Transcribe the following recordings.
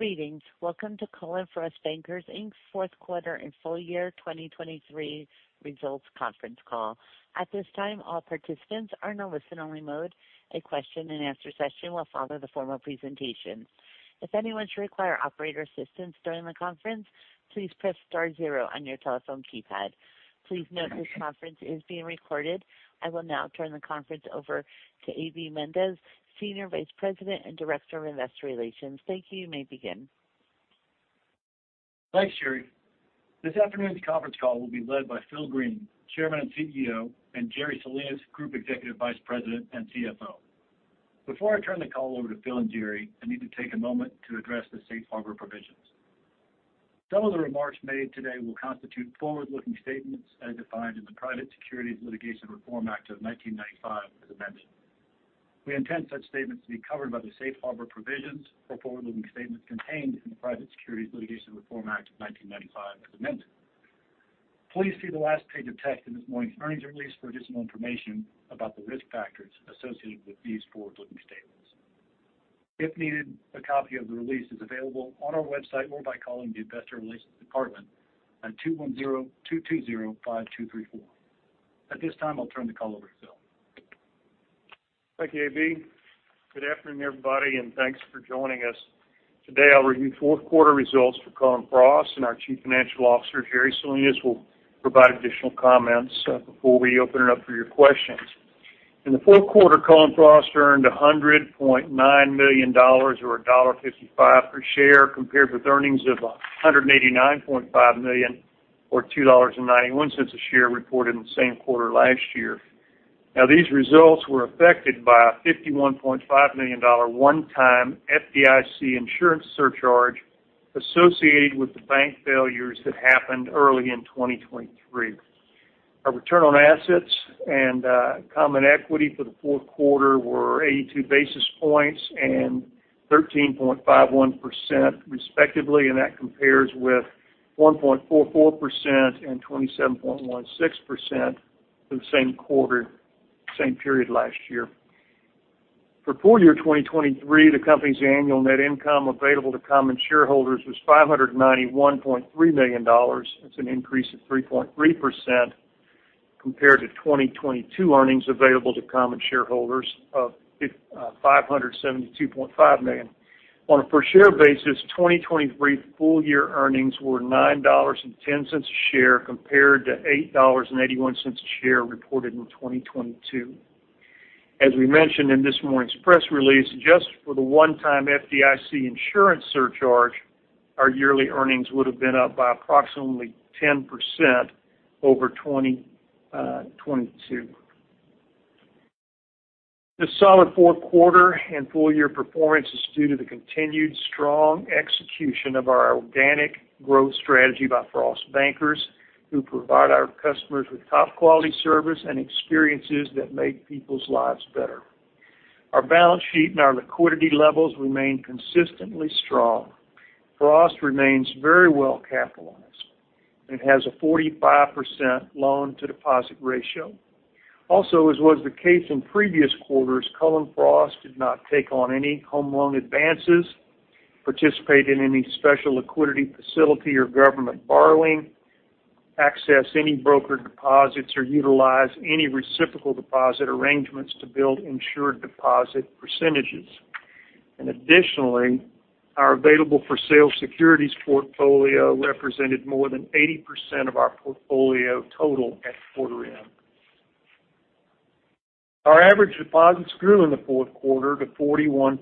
Greetings. Welcome to Cullen/Frost Bankers, Inc.'s Fourth Quarter and Full Year 2023 Results Conference Call. At this time, all participants are in a listen-only mode. A question-and-answer session will follow the formal presentation. If anyone should require operator assistance during the conference, please press star zero on your telephone keypad. Please note this conference is being recorded. I will now turn the conference over to A.B. Mendez, Senior Vice President and Director of Investor Relations. Thank you. You may begin. Thanks, Sherry. This afternoon's conference call will be led by Phil Green, Chairman and CEO, and Jerry Salinas, Group Executive Vice President and CFO. Before I turn the call over to Phil and Jerry, I need to take a moment to address the Safe Harbor provisions. Some of the remarks made today will constitute forward-looking statements as defined in the Private Securities Litigation Reform Act of 1995 as amended. We intend such statements to be covered by the Safe Harbor provisions for forward-looking statements contained in the Private Securities Litigation Reform Act of 1995, as amended. Please see the last page of text in this morning's earnings release for additional information about the risk factors associated with these forward-looking statements. If needed, a copy of the release is available on our website or by calling the Investor Relations Department at (210) 220-5234. At this time, I'll turn the call over to Phil. Thank you, A.B. Good afternoon, everybody, and thanks for joining us. Today, I'll review fourth quarter results for Cullen/Frost, and our Chief Financial Officer, Jerry Salinas, will provide additional comments before we open it up for your questions. In the fourth quarter, Cullen/Frost earned $100.9 million or $1.55 per share, compared with earnings of $189.5 million or $2.91 per share reported in the same quarter last year. Now, these results were affected by a $51.5 million one-time FDIC insurance surcharge associated with the bank failures that happened early in 2023. Our return on assets and common equity for the fourth quarter were 82 basis points and 13.51%, respectively, and that compares with 1.44% and 27.16% for the same quarter, same period last year. For full year 2023, the company's annual net income available to common shareholders was $591.3 million. That's an increase of 3.3% compared to 2022 earnings available to common shareholders of $572.5 million. On a per share basis, 2023 full year earnings were $9.10 a share, compared to $8.81 a share reported in 2022. As we mentioned in this morning's press release, just for the one-time FDIC insurance surcharge, our yearly earnings would have been up by approximately 10% over 2022. The solid fourth quarter and full year performance is due to the continued strong execution of our organic growth strategy by Frost bankers, who provide our customers with top quality service and experiences that make people's lives better. Our balance sheet and our liquidity levels remain consistently strong. Frost remains very well capitalized and has a 45% loan-to-deposit ratio. Also, as was the case in previous quarters, Cullen/Frost did not take on any home loan advances, participate in any special liquidity facility or government borrowing, access any brokered deposits, or utilize any reciprocal deposit arrangements to build insured deposit percentages. Additionally, our available-for-sale securities portfolio represented more than 80% of our portfolio total at quarter end. Our average deposits grew in the fourth quarter to $41.2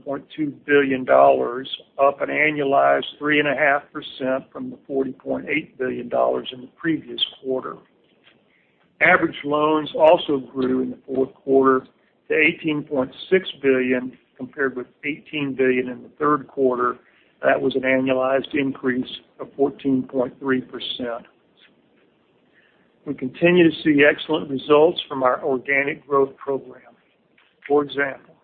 billion, up an annualized 3.5% from the $40.8 billion in the previous quarter. Average loans also grew in the fourth quarter to $18.6 billion, compared with $18 billion in the third quarter. That was an annualized increase of 14.3%. We continue to see excellent results from our organic growth program. For example,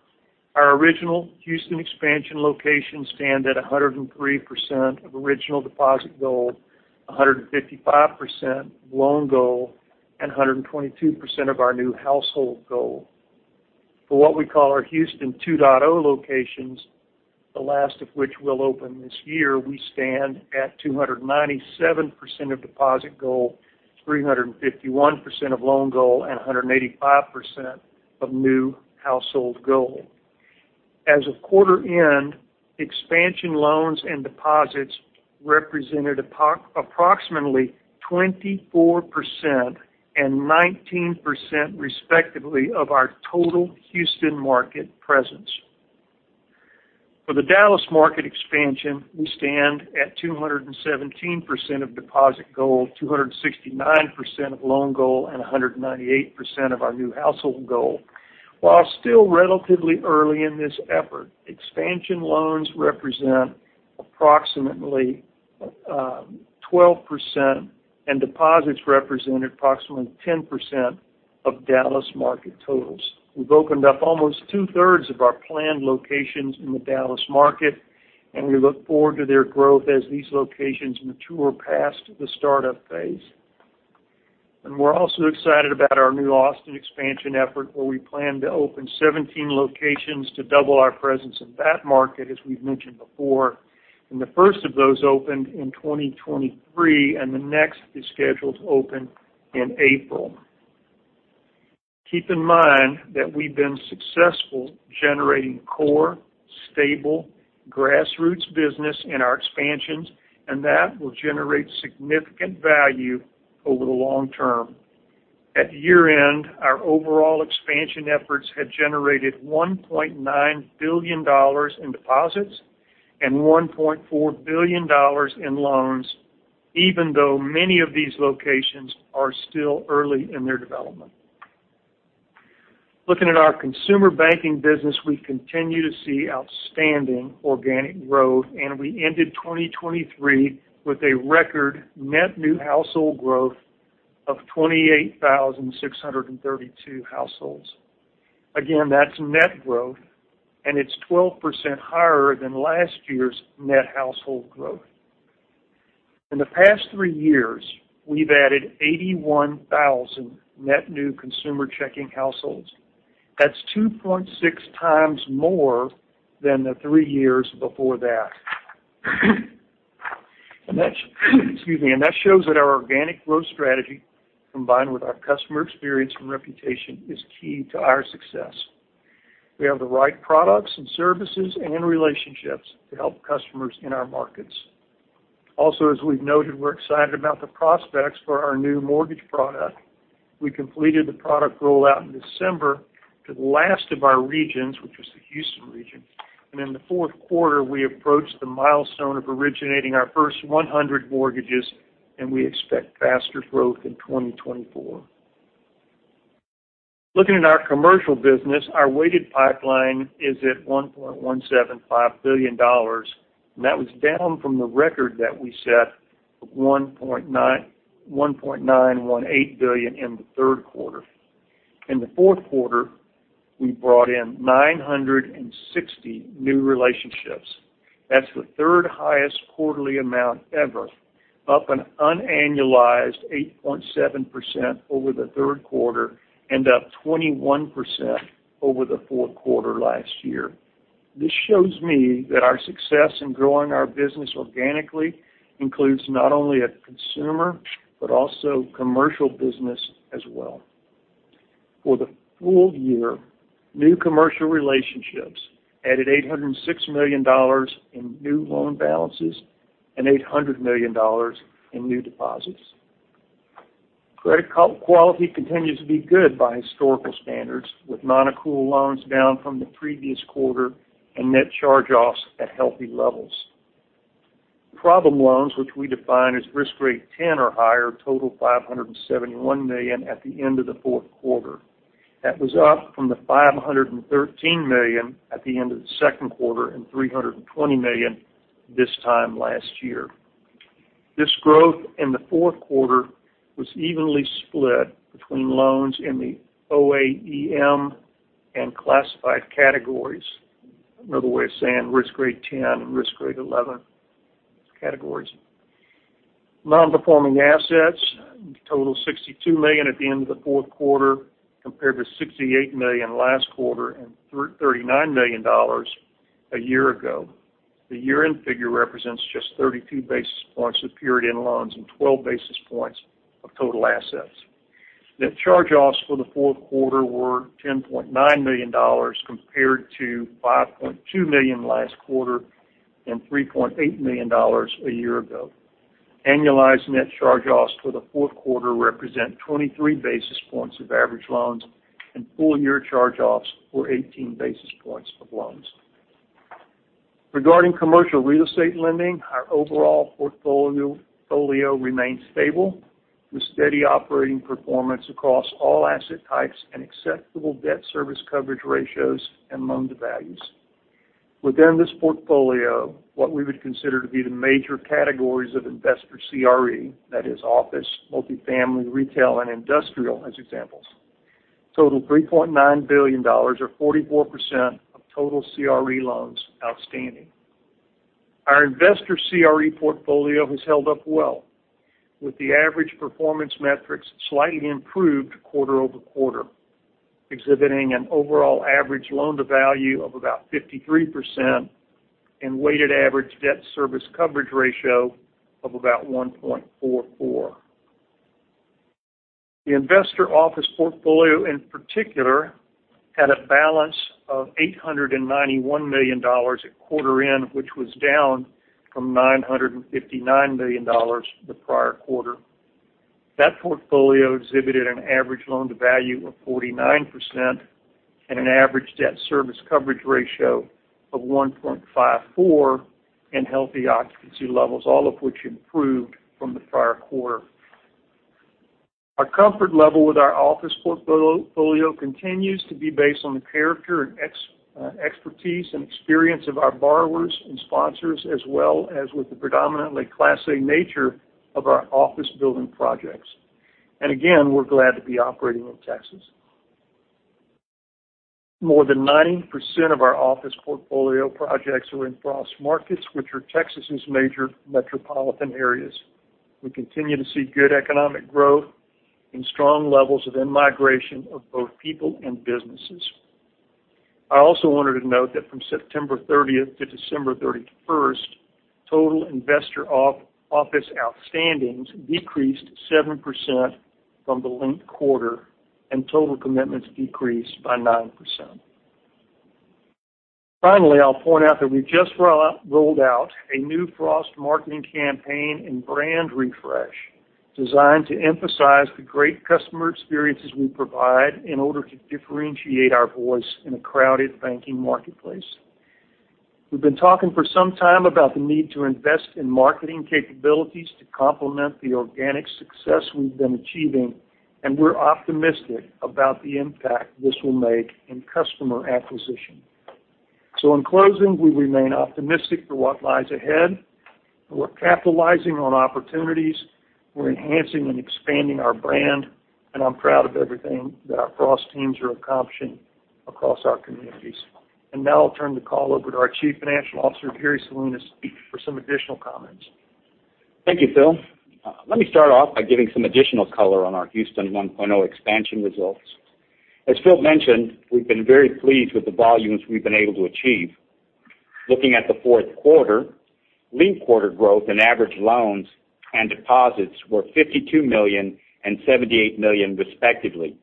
our original Houston expansion locations stand at 103% of original deposit goal, 155% of loan goal, and 122% of our new household goal. For what we call our Houston 2.0 locations, the last of which will open this year, we stand at 297% of deposit goal, 351% of loan goal, and 185% of new household goal. As of quarter end, expansion loans and deposits represented approximately 24% and 19%, respectively, of our total Houston market presence. For the Dallas market expansion, we stand at 217% of deposit goal, 269% of loan goal, and 198% of our new household goal. While still relatively early in this effort, expansion loans represent approximately 12%, and deposits represent approximately 10% of Dallas market totals. We've opened up almost two-thirds of our planned locations in the Dallas market, and we look forward to their growth as these locations mature past the startup phase. We're also excited about our new Austin expansion effort, where we plan to open 17 locations to double our presence in that market, as we've mentioned before, and the first of those opened in 2023, and the next is scheduled to open in April. Keep in mind that we've been successful generating core, stable, grassroots business in our expansions, and that will generate significant value over the long term. At year-end, our overall expansion efforts had generated $1.9 billion in deposits and $1.4 billion in loans, even though many of these locations are still early in their development. Looking at our consumer banking business, we continue to see outstanding organic growth, and we ended 2023 with a record net new household growth of 28,632 households. Again, that's net growth, and it's 12% higher than last year's net household growth. In the past three years, we've added 81,000 net new consumer checking households. That's 2.6 times more than the three years before that. And that, excuse me, and that shows that our organic growth strategy, combined with our customer experience and reputation, is key to our success. We have the right products and services and relationships to help customers in our markets. Also, as we've noted, we're excited about the prospects for our new mortgage product. We completed the product rollout in December to the last of our regions, which was the Houston region, and in the fourth quarter, we approached the milestone of originating our first 100 mortgages, and we expect faster growth in 2024. Looking at our commercial business, our weighted pipeline is at $1.175 billion, and that was down from the record that we set of $1.918 billion in the third quarter. In the fourth quarter, we brought in 960 new relationships. That's the third highest quarterly amount ever, up an unannualized 8.7% over the third quarter and up 21% over the fourth quarter last year. This shows me that our success in growing our business organically includes not only a consumer, but also commercial business as well. For the full year, new commercial relationships added $806 million in new loan balances and $800 million in new deposits. Credit quality continues to be good by historical standards, with nonaccrual loans down from the previous quarter and net charge-offs at healthy levels. Problem loans, which we define as risk grade 10 or higher, total $571 million at the end of the fourth quarter. That was up from the $513 million at the end of the second quarter and $320 million this time last year. This growth in the fourth quarter was evenly split between loans in the OAEM and classified categories. Another way of saying risk grade 10 and risk grade 11 categories. Nonperforming assets total $62 million at the end of the fourth quarter, compared to $68 million last quarter and $39 million a year ago. The year-end figure represents just 32 basis points of period-end loans and 12 basis points of total assets. Net charge-offs for the fourth quarter were $10.9 million, compared to $5.2 million last quarter and $3.8 million a year ago. Annualized net charge-offs for the fourth quarter represent 23 basis points of average loans, and full-year charge-offs were 18 basis points of loans. Regarding commercial real estate lending, our overall portfolio remains stable, with steady operating performance across all asset types and acceptable debt service coverage ratios and loan to values. Within this portfolio, what we would consider to be the major categories of investor CRE, that is office, multifamily, retail, and industrial, as examples, total $3.9 billion or 44% of total CRE loans outstanding. Our investor CRE portfolio has held up well, with the average performance metrics slightly improved quarter-over-quarter, exhibiting an overall average loan-to-value of about 53% and weighted average debt service coverage ratio of about 1.44. The investor office portfolio, in particular, had a balance of $891 million at quarter end, which was down from $959 million the prior quarter. That portfolio exhibited an average loan-to-value of 49% and an average debt service coverage ratio of 1.54 in healthy occupancy levels, all of which improved from the prior quarter. Our comfort level with our office portfolio continues to be based on the character and expertise, and experience of our borrowers and sponsors, as well as with the predominantly Class A nature of our office building projects. And again, we're glad to be operating in Texas. More than 90% of our office portfolio projects are in Frost markets, which are Texas' major metropolitan areas. We continue to see good economic growth and strong levels of in-migration of both people and businesses. I also wanted to note that from September thirtieth to December thirty-first, total investor office outstandings decreased 7% from the linked quarter, and total commitments decreased by 9%. Finally, I'll point out that we just rolled out a new Frost marketing campaign and brand refresh, designed to emphasize the great customer experiences we provide in order to differentiate our voice in a crowded banking marketplace. We've been talking for some time about the need to invest in marketing capabilities to complement the organic success we've been achieving, and we're optimistic about the impact this will make in customer acquisition. So in closing, we remain optimistic for what lies ahead. We're capitalizing on opportunities, we're enhancing and expanding our brand, and I'm proud of everything that our Frost teams are accomplishing across our communities. And now I'll turn the call over to our Chief Financial Officer, Jerry Salinas, for some additional comments. Thank you, Phil. Let me start off by giving some additional color on our Houston 1.0 expansion results. As Phil mentioned, we've been very pleased with the volumes we've been able to achieve. Looking at the fourth quarter, linked quarter growth and average loans and deposits were $52 million and $78 million, respectively,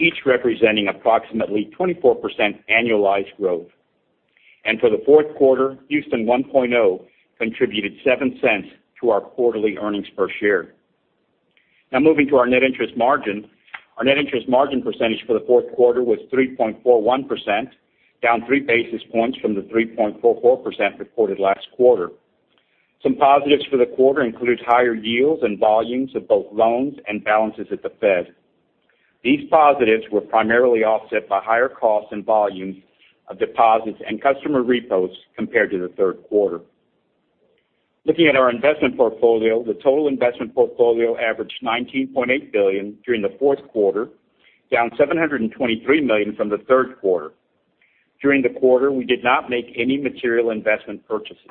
each representing approximately 24% annualized growth. For the fourth quarter, Houston 1.0 contributed $0.07 to our quarterly earnings per share. Now moving to our net interest margin. Our net interest margin percentage for the fourth quarter was 3.41%, down 3 basis points from the 3.44% reported last quarter. Some positives for the quarter include higher yields and volumes of both loans and balances at the Fed. These positives were primarily offset by higher costs and volumes of deposits and customer repos compared to the third quarter. Looking at our investment portfolio, the total investment portfolio averaged $19.8 billion during the fourth quarter, down $723 million from the third quarter. During the quarter, we did not make any material investment purchases.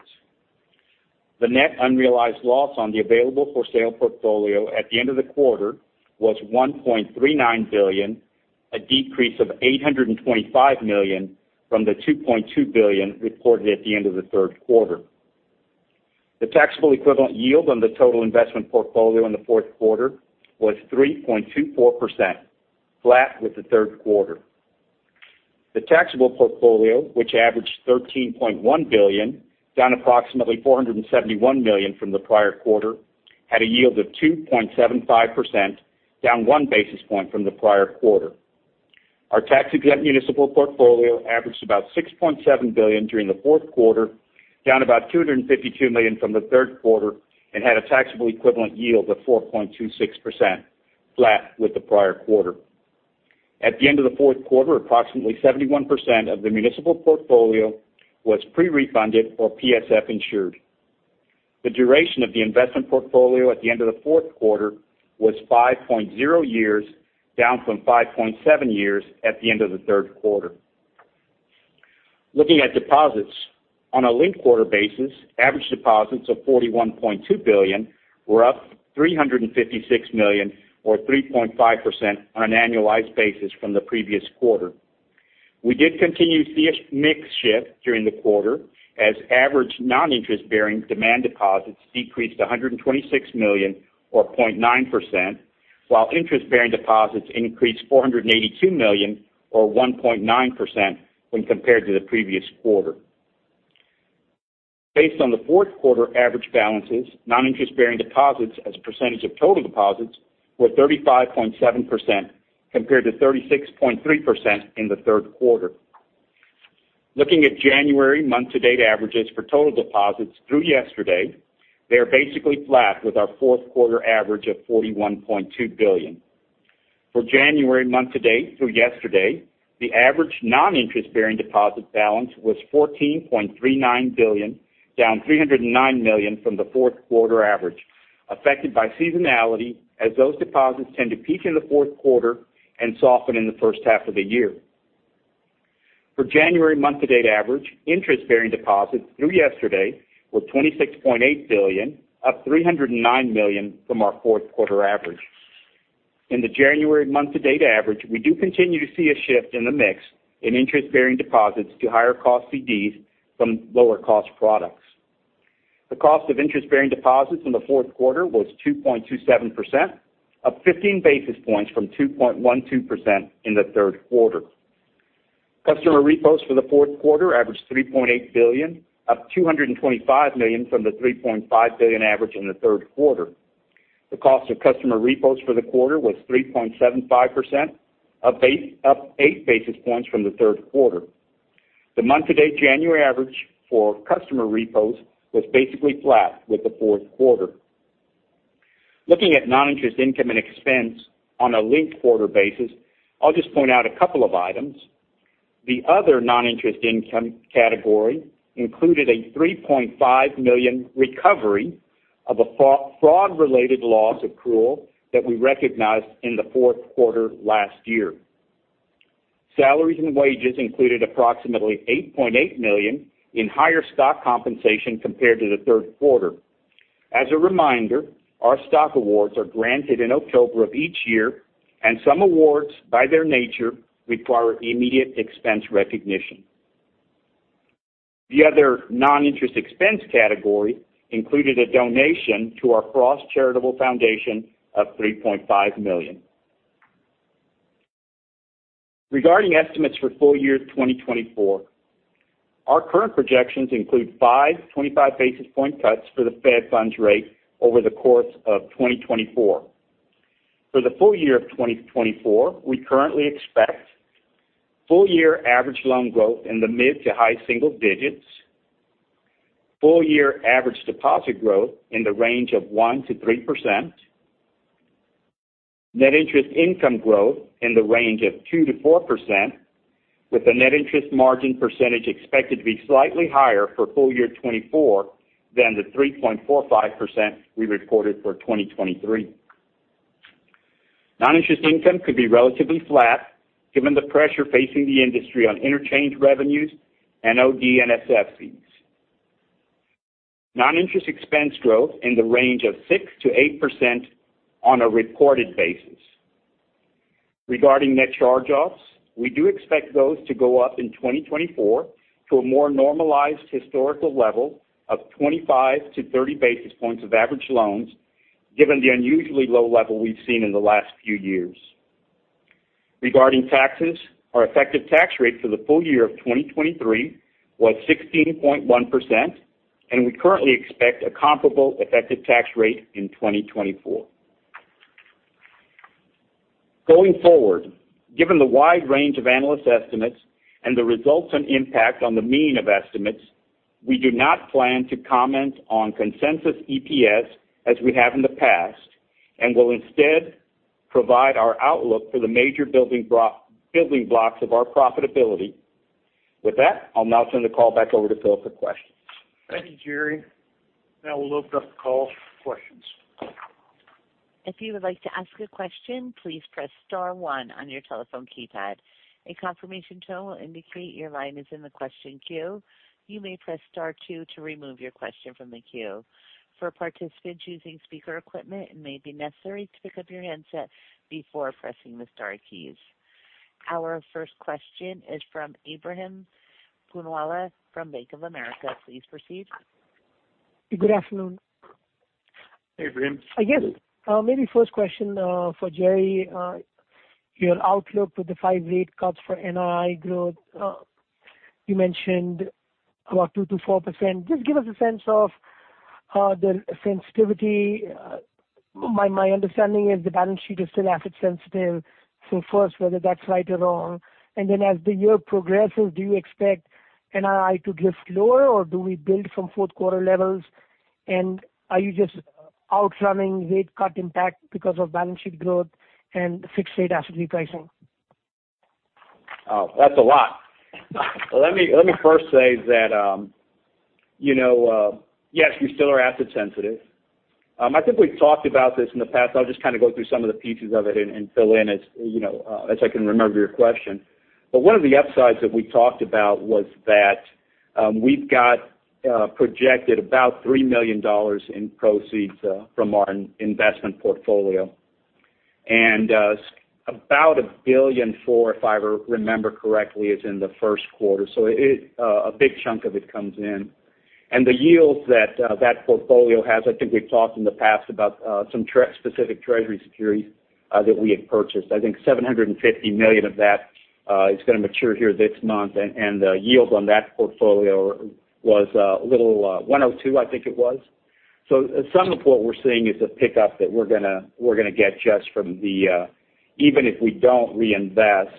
The net unrealized loss on the available for sale portfolio at the end of the quarter was $1.39 billion, a decrease of $825 million from the $2.2 billion reported at the end of the third quarter. The taxable equivalent yield on the total investment portfolio in the fourth quarter was 3.24%, flat with the third quarter. The taxable portfolio, which averaged $13.1 billion, down approximately $471 million from the prior quarter, had a yield of 2.75%, down 1 basis point from the prior quarter. Our tax-exempt municipal portfolio averaged about $6.7 billion during the fourth quarter, down about $252 million from the third quarter, and had a taxable equivalent yield of 4.26%, flat with the prior quarter. At the end of the fourth quarter, approximately 71% of the municipal portfolio was pre-refunded or PSF insured. The duration of the investment portfolio at the end of the fourth quarter was 5.0 years, down from 5.7 years at the end of the third quarter. Looking at deposits. On a linked-quarter basis, average deposits of $41.2 billion were up $356 million or 3.5% on an annualized basis from the previous quarter. We did continue to see a mix shift during the quarter, as average non-interest-bearing demand deposits decreased $126 million, or 0.9%, while interest-bearing deposits increased $482 million, or 1.9%, when compared to the previous quarter. Based on the fourth quarter average balances, non-interest-bearing deposits as a percentage of total deposits were 35.7%, compared to 36.3% in the third quarter. Looking at January month-to-date averages for total deposits through yesterday, they are basically flat with our fourth quarter average of $41.2 billion. For January month-to-date through yesterday, the average non-interest-bearing deposit balance was $14.39 billion, down $309 million from the fourth quarter average, affected by seasonality as those deposits tend to peak in the fourth quarter and soften in the first half of the year. For January month-to-date average, interest-bearing deposits through yesterday were $26.8 billion, up $309 million from our fourth quarter average. In the January month-to-date average, we do continue to see a shift in the mix in interest-bearing deposits to higher cost CDs from lower-cost products. The cost of interest-bearing deposits in the fourth quarter was 2.27%, up 15 basis points from 2.12% in the third quarter. Customer repos for the fourth quarter averaged $3.8 billion, up $225 million from the $3.5 billion average in the third quarter. The cost of customer repos for the quarter was 3.75%, up 8 basis points from the third quarter. The month-to-date January average for customer repos was basically flat with the fourth quarter. Looking at non-interest income and expense on a linked-quarter basis, I'll just point out a couple of items. The other non-interest income category included a $3.5 million recovery of a fraud-related loss accrual that we recognized in the fourth quarter last year. Salaries and wages included approximately $8.8 million in higher stock compensation compared to the third quarter. As a reminder, our stock awards are granted in October of each year, and some awards, by their nature, require immediate expense recognition. The other non-interest expense category included a donation to our Frost Charitable Foundation of $3.5 million. Regarding estimates for full year 2024, our current projections include five 25 basis point cuts for the Fed Funds rate over the course of 2024. For the full year of 2024, we currently expect full year average loan growth in the mid to high single digits, full year average deposit growth in the range of 1%-3%, net interest income growth in the range of 2%-4%, with the net interest margin percentage expected to be slightly higher for full year 2024 than the 3.45% we reported for 2023. Non-interest income could be relatively flat, given the pressure facing the industry on interchange revenues and OD/NSF fees. Non-interest expense growth in the range of 6%-8% on a reported basis. Regarding net charge-offs, we do expect those to go up in 2024 to a more normalized historical level of 25-30 basis points of average loans, given the unusually low level we've seen in the last few years. Regarding taxes, our effective tax rate for the full year of 2023 was 16.1%, and we currently expect a comparable effective tax rate in 2024. Going forward, given the wide range of analyst estimates and the results and impact on the mean of estimates, we do not plan to comment on consensus EPS as we have in the past, and will instead provide our outlook for the major building block, building blocks of our profitability. With that, I'll now turn the call back over to Phil for questions. Thank you, Jerry. Now we'll open up the call for questions. If you would like to ask a question, please press star one on your telephone keypad. A confirmation tone will indicate your line is in the question queue. You may press star two to remove your question from the queue. For participants using speaker equipment, it may be necessary to pick up your handset before pressing the star keys. Our first question is from Ebrahim Poonawala from Bank of America. Please proceed. Good afternoon. Hey, Ebrahim. I guess, maybe first question, for Jerry. Your outlook with the five rate cuts for NII growth, you mentioned about 2%-4%. Just give us a sense of, the sensitivity. My, my understanding is the balance sheet is still asset sensitive. So first, whether that's right or wrong. And then as the year progresses, do you expect NII to drift lower, or do we build from fourth quarter levels? And are you just outrunning rate cut impact because of balance sheet growth and fixed rate asset repricing? Oh, that's a lot. Let me, let me first say that, you know, yes, we still are asset sensitive. I think we've talked about this in the past. I'll just kind of go through some of the pieces of it and, and fill in as, you know, as I can remember your question. But one of the upsides that we talked about was that, we've got, projected about $3 million in proceeds, from our investment portfolio. And, about $1.4 billion, if I remember correctly, is in the first quarter, so it, a big chunk of it comes in. And the yields that, that portfolio has, I think we've talked in the past about, some specific Treasury securities, that we had purchased. I think $750 million of that is gonna mature here this month, and the yields on that portfolio was a little 1.02, I think it was. So some of what we're seeing is a pickup that we're gonna get just from the uh, even if we don't reinvest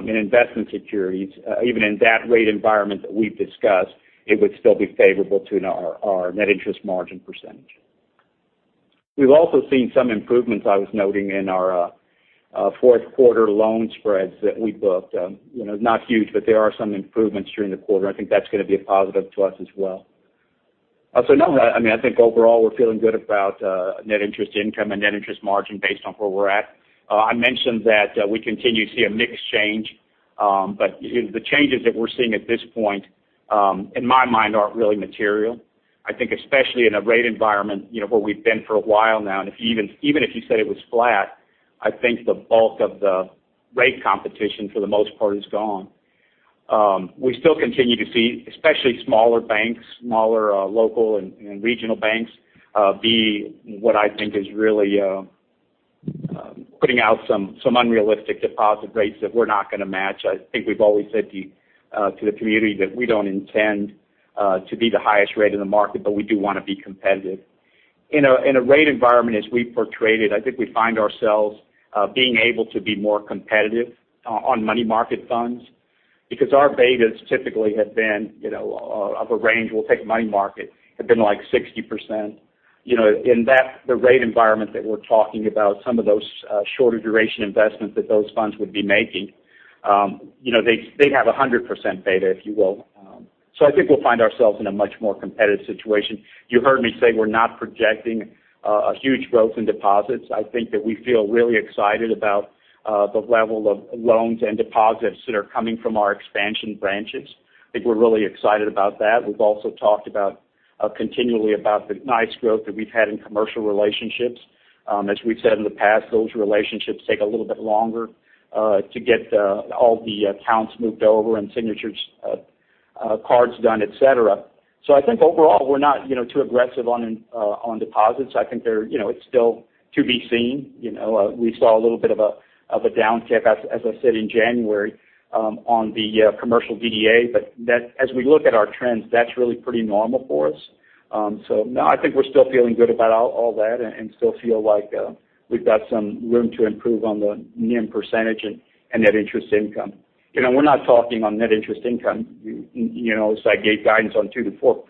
in investment securities, even in that rate environment that we've discussed, it would still be favorable to our net interest margin percentage. We've also seen some improvements, I was noting, in our fourth quarter loan spreads that we booked. You know, not huge, but there are some improvements during the quarter. I think that's gonna be a positive to us as well. So no, I mean, I think overall, we're feeling good about net interest income and net interest margin based on where we're at. I mentioned that we continue to see a mix change, but the changes that we're seeing at this point, in my mind, aren't really material. I think, especially in a rate environment, you know, where we've been for a while now, and if, even if you say it was flat, I think the bulk of the rate competition, for the most part, is gone. We still continue to see, especially smaller banks, local and regional banks be what I think is really putting out some unrealistic deposit rates that we're not gonna match. I think we've always said to the community that we don't intend to be the highest rate in the market, but we do want to be competitive. In a rate environment as we portrayed it, I think we find ourselves being able to be more competitive on money market funds because our betas typically have been, you know, of a range, we'll take money market, have been, like, 60%. You know, in that, the rate environment that we're talking about, some of those shorter duration investments that those funds would be making. You know, they, they have a 100% beta, if you will. So I think we'll find ourselves in a much more competitive situation. You heard me say we're not projecting a huge growth in deposits. I think that we feel really excited about the level of loans and deposits that are coming from our expansion branches. I think we're really excited about that. We've also talked about continually about the nice growth that we've had in commercial relationships. As we've said in the past, those relationships take a little bit longer to get all the accounts moved over and signatures, cards done, et cetera. So I think overall, we're not, you know, too aggressive on on deposits. I think they're, you know, it's still to be seen. You know, we saw a little bit of a of a downtick, as as I said, in January on the commercial DDA. But that, as we look at our trends, that's really pretty normal for us. So, no, I think we're still feeling good about all, all that and still feel like we've got some room to improve on the NIM percentage and net interest income. You know, we're not talking on net interest income, you know, so I gave guidance on 2%-4%,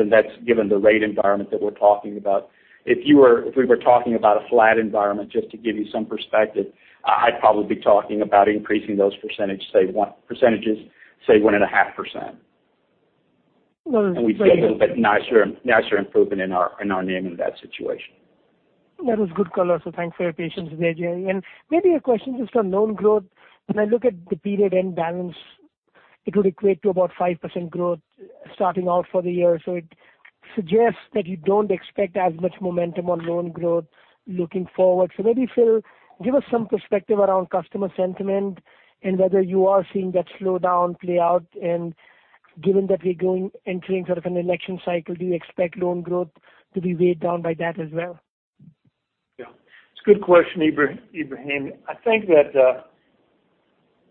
and that's given the rate environment that we're talking about. If we were talking about a flat environment, just to give you some perspective, I'd probably be talking about increasing those percentage, say one- percentages, say 1.5%. And we'd see a little bit nicer, nicer improvement in our, in our NIM in that situation. That was good color, so thanks for your patience there, Jerry. Maybe a question just on loan growth. When I look at the period-end balance, it would equate to about 5% growth starting out for the year. It suggests that you don't expect as much momentum on loan growth looking forward. Maybe, Phil, give us some perspective around customer sentiment and whether you are seeing that slowdown play out. Given that we're entering sort of an election cycle, do you expect loan growth to be weighed down by that as well? Yeah, it's a good question, Ebrahim. I think that,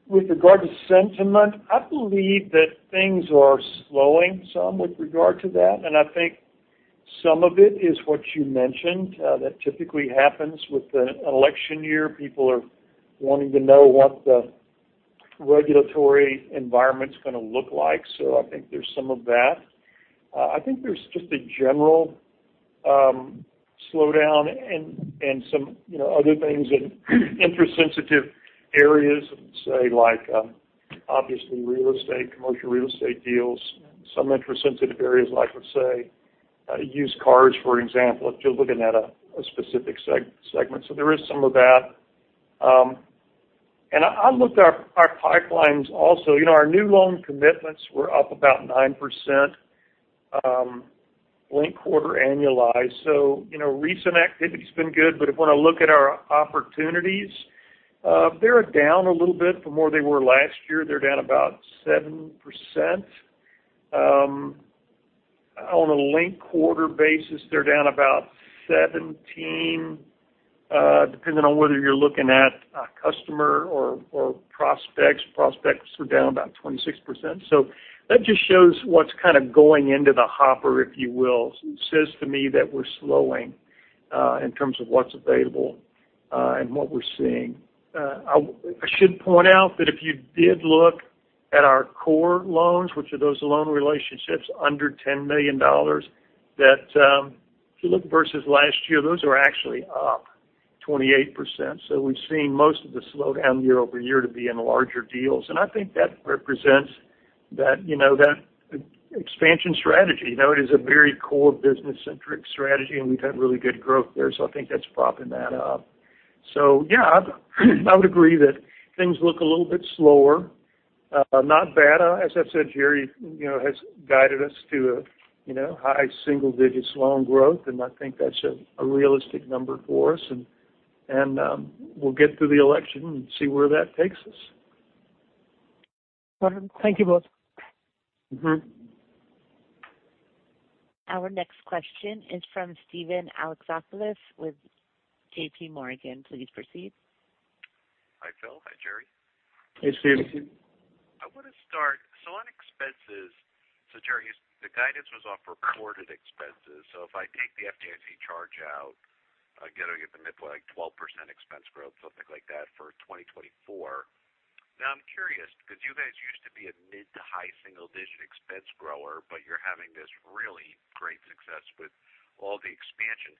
with regard to sentiment, I believe that things are slowing some with regard to that, and I think some of it is what you mentioned. That typically happens with the election year. People are wanting to know what the regulatory environment's gonna look like. So I think there's some of that. I think there's just a general, slowdown and some, you know, other things in interest-sensitive areas, say, like, obviously, real estate, commercial real estate deals, and some interest-sensitive areas, like, let's say, used cars, for example, if you're looking at a specific segment. So there is some of that. And I looked at our pipelines also. You know, our new loan commitments were up about 9%, linked quarter annualized. So, you know, recent activity's been good, but if we're to look at our opportunities, they are down a little bit from where they were last year. They're down about 7%. On a linked quarter basis, they're down about 17, depending on whether you're looking at a customer or prospects. Prospects are down about 26%. So that just shows what's kind of going into the hopper, if you will. It says to me that we're slowing in terms of what's available and what we're seeing. I should point out that if you did look at our core loans, which are those loan relationships under $10 million, that if you look versus last year, those are actually up 28%. So we've seen most of the slowdown year over year to be in larger deals, and I think that represents that, you know, that expansion strategy. You know, it is a very core business-centric strategy, and we've had really good growth there, so I think that's propping that up. So yeah, I would agree that things look a little bit slower. Not bad. As I've said, Jerry, you know, has guided us to a, you know, high single digits loan growth, and I think that's a realistic number for us. We'll get through the election and see where that takes us. Thank you both. Mm-hmm. Our next question is from Steven Alexopoulos with JPMorgan. Please proceed. Hi, Phil. Hi, Jerry. Hey, Steven. I want to star, so on expenses, so Jerry, the guidance was off reported expenses. So if I take the FDIC charge out, I get, I get the mid, like, 12% expense growth, something like that, for 2024. Now, I'm curious, because you guys used to be a mid to high single digit expense grower, but you're having this really great success with all the expansion.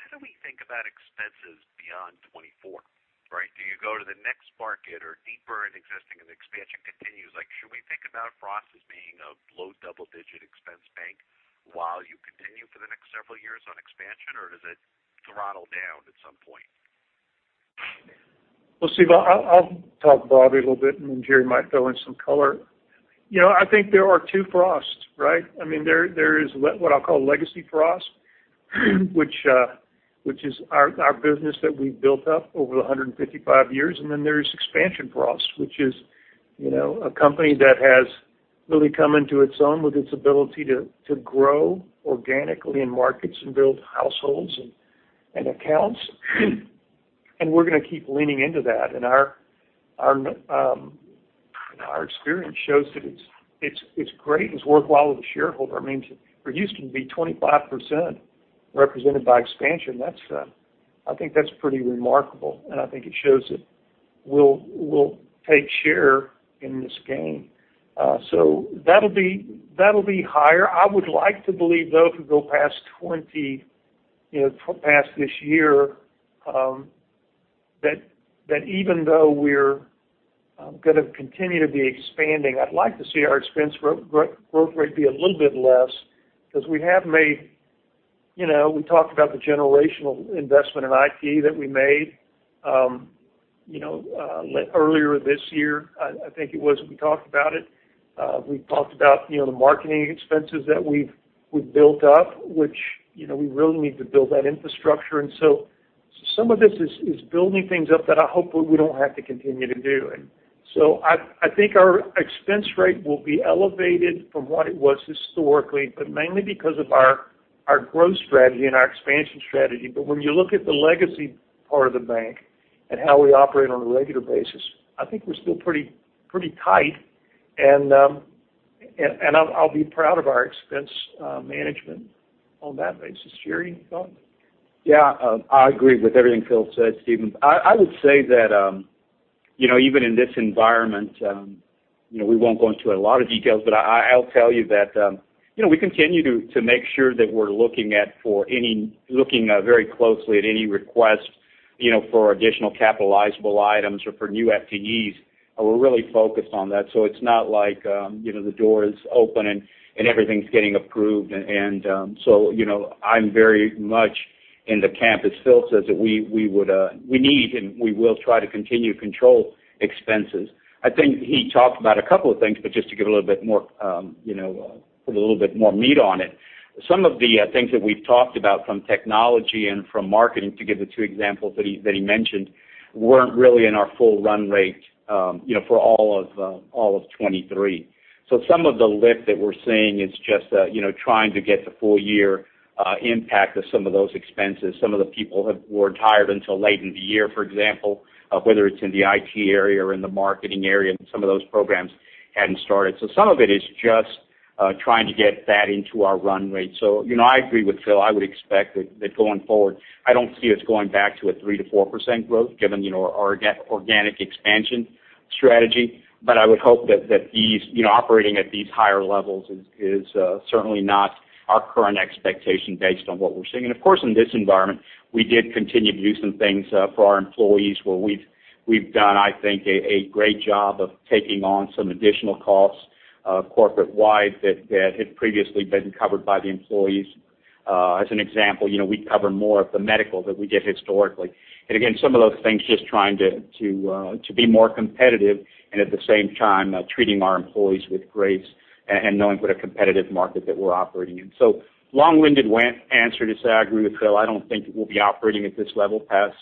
How do we think about expenses beyond 2024, right? Do you go to the next market or deeper in existing and expansion continues? Like, should we think about Frost as being a low double-digit expense bank while you continue for the next several years on expansion, or does it throttle down at some point? Well, Steve, I'll talk broadly a little bit, and then Jerry might fill in some color. You know, I think there are two Frosts, right? I mean, there is what I'll call legacy Frost, which is our business that we've built up over the 155 years. And then there's expansion Frost, which is, you know, a company that has really come into its own with its ability to grow organically in markets and build households and accounts. And we're gonna keep leaning into that. And our experience shows that it's great and it's worthwhile as a shareholder. I mean, for Houston to be 25% represented by expansion, that's, I think that's pretty remarkable, and I think it shows that we'll take share in this game. So that'll be higher. I would like to believe, though, it could go past 20, you know, past this year, that even though we're gonna continue to be expanding, I'd like to see our expense growth rate be a little bit less, 'cause we have made, you know, we talked about the generational investment in IT that we made, you know, earlier this year. I think it was, we talked about it. We've talked about, you know, the marketing expenses that we've built up, which, you know, we really need to build that infrastructure. And so some of this is building things up that I hope we don't have to continue to do. And so I think our expense rate will be elevated from what it was historically, but mainly because of our growth strategy and our expansion strategy. But when you look at the legacy part of the bank and how we operate on a regular basis, I think we're still pretty, pretty tight. And I'll be proud of our expense management on that basis. Jerry, you thought? Yeah, I agree with everything Phil said, Steven. I would say that, you know, even in this environment, you know, we won't go into a lot of details, but I, I'll tell you that, you know, we continue to make sure that we're looking very closely at any request, you know, for additional capitalizable items or for new FTEs. And we're really focused on that. So it's not like, you know, the door is open and everything's getting approved. And, so, you know, I'm very much in the camp, as Phil says, that we would need and we will try to continue to control expenses. I think he talked about a couple of things, but just to give a little bit more, you know, put a little bit more meat on it. Some of the things that we've talked about from technology and from marketing, to give the two examples that he, that he mentioned, weren't really in our full run rate, you know, for all of all of 2023. So some of the lift that we're seeing is just, you know, trying to get the full year impact of some of those expenses. Some of the people have, weren't hired until late in the year, for example, whether it's in the IT area or in the marketing area, and some of those programs hadn't started. So some of it is just, trying to get that into our run rate. So, you know, I agree with Phil. I would expect that going forward, I don't see us going back to a 3%-4% growth, given, you know, our organic expansion strategy. But I would hope that these, you know, operating at these higher levels is certainly not our current expectation based on what we're seeing. And of course, in this environment, we did continue to do some things for our employees, where we've done, I think, a great job of taking on some additional costs corporate-wide, that had previously been covered by the employees. As an example, you know, we cover more of the medical than we did historically. And again, some of those things, just trying to be more competitive, and at the same time, treating our employees with grace and knowing what a competitive market that we're operating in. So long-winded one answer to say, I agree with Phil. I don't think we'll be operating at this level past,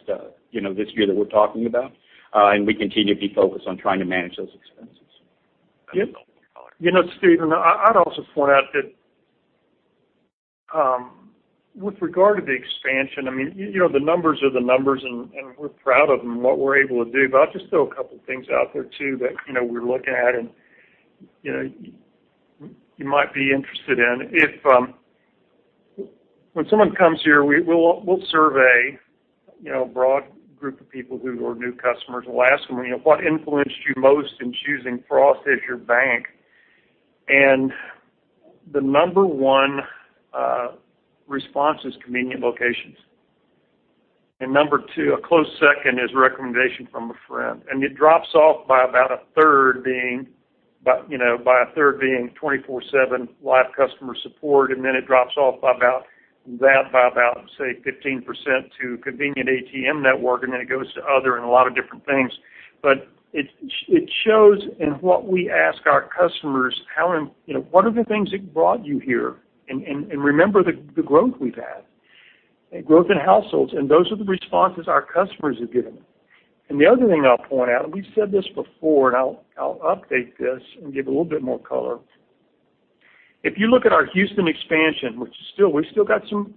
you know, this year that we're talking about. And we continue to be focused on trying to manage those expenses. Yep. You know, Steven, I'd also point out that with regard to the expansion, I mean, you know, the numbers are the numbers, and we're proud of them, what we're able to do. But I'll just throw a couple of things out there, too, that you know, we're looking at and you know, you might be interested in. If when someone comes here, we'll survey you know, a broad group of people who are new customers and we'll ask them, you know, "What influenced you most in choosing Frost as your bank?" And the number one response is convenient locations. And number two, a close second, is recommendation from a friend. And it drops off by about a third, being 24/7 live customer support. And then it drops off by about that, say, 15% to convenient ATM network, and then it goes to other and a lot of different things. But it shows in what we ask our customers, how, you know, what are the things that brought you here? And remember the growth we've had, growth in households, and those are the responses our customers have given. And the other thing I'll point out, and we've said this before, and I'll update this and give a little bit more color. If you look at our Houston expansion, which is still, we've still got some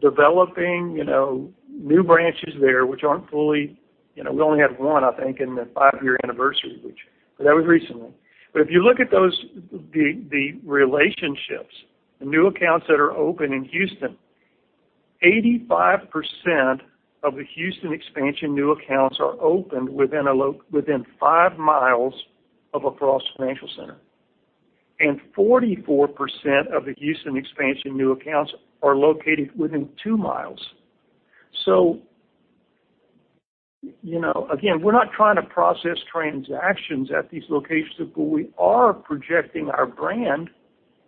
developing, you know, new branches there, which aren't fully. You know, we only had one, I think, in the five-year anniversary, which, but that was recently. But if you look at those, the relationships, the new accounts that are open in Houston, 85% of the Houston expansion new accounts are opened within 5 miles of a Frost financial center. And 44% of the Houston expansion new accounts are located within 2 miles. So, you know, again, we're not trying to process transactions at these locations, but we are projecting our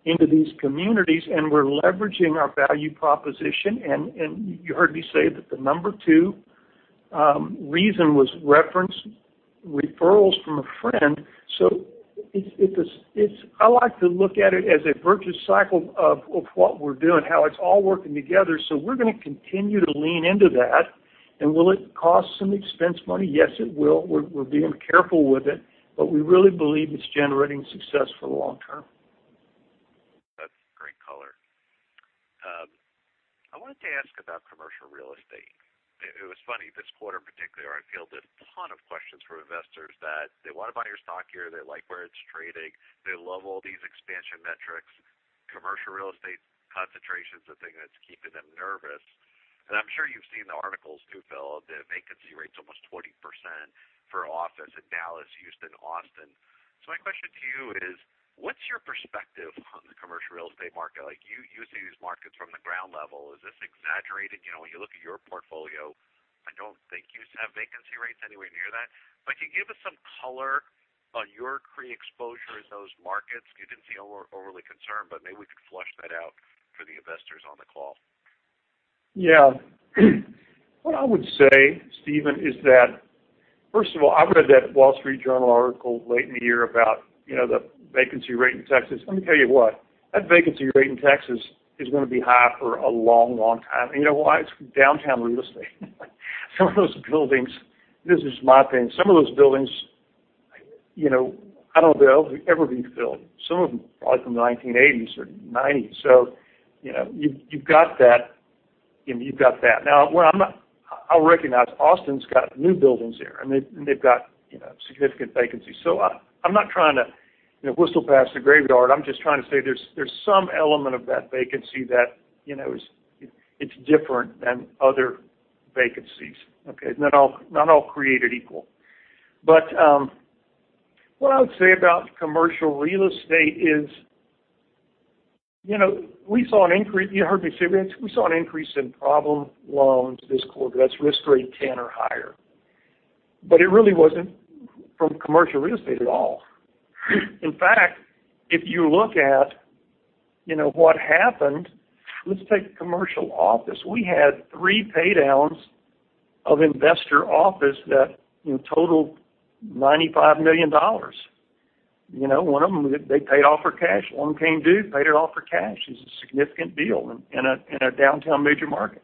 brand into these communities, and we're leveraging our value proposition. And you heard me say that the number 2 reason was referrals from a friend. So it's – I like to look at it as a virtuous cycle of what we're doing, how it's all working together. So we're gonna continue to lean into that. And will it cost some expense money? Yes, it will. We're being careful with it, but we really believe it's generating success for the long term. That's great color. I wanted to ask about commercial real estate. It was funny, this quarter, particularly, I fielded a ton of questions from investors that they want to buy your stock here. They like where it's trading. They love all these expansion metrics. Commercial real estate concentration is the thing that's keeping them nervous. I'm sure you've seen the articles too, Phil, the vacancy rate's almost 20% for office in Dallas, Houston, Austin. So my question to you is, what's your perspective on the commercial real estate market? You see these markets from the ground level. Is this exaggerated? When you look at your portfolio, I don't think you have vacancy rates anywhere near that. But can you give us some color on your CRE exposure in those markets? You didn't seem overly concerned, but maybe we could flesh that out for the investors on the call. Yeah. What I would say, Steven, is that, first of all, I read that Wall Street Journal article late in the year about, you know, the vacancy rate in Texas. Let me tell you what, that vacancy rate in Texas is gonna be high for a long, long time. And you know why? It's downtown real estate. Some of those buildings, this is my opinion, some of those buildings, you know, I don't know if they'll ever be filled, some of them probably from the 1980s or '90s. So, you know, you've, you've got that, and you've got that. Now, what I'm not. I'll recognize, Austin's got new buildings there, and they've, and they've got, you know, significant vacancies. So I, I'm not trying to, you know, whistle past the graveyard. I'm just trying to say there's, there's some element of that vacancy that, you know, is, it's different than other vacancies, okay? Not all, not all created equal. But what I would say about commercial real estate is, you know, we saw an increase. You heard me say we saw an increase in problem loans this quarter, that's risk grade 10 or higher. But it really wasn't from commercial real estate at all. In fact, if you look at, you know, what happened, let's take commercial office. We had 3 paydowns of investor office that, you know, totaled $95 million. You know, one of them, they paid off for cash. One came due, paid it off for cash. It's a significant deal in a, in a downtown major market.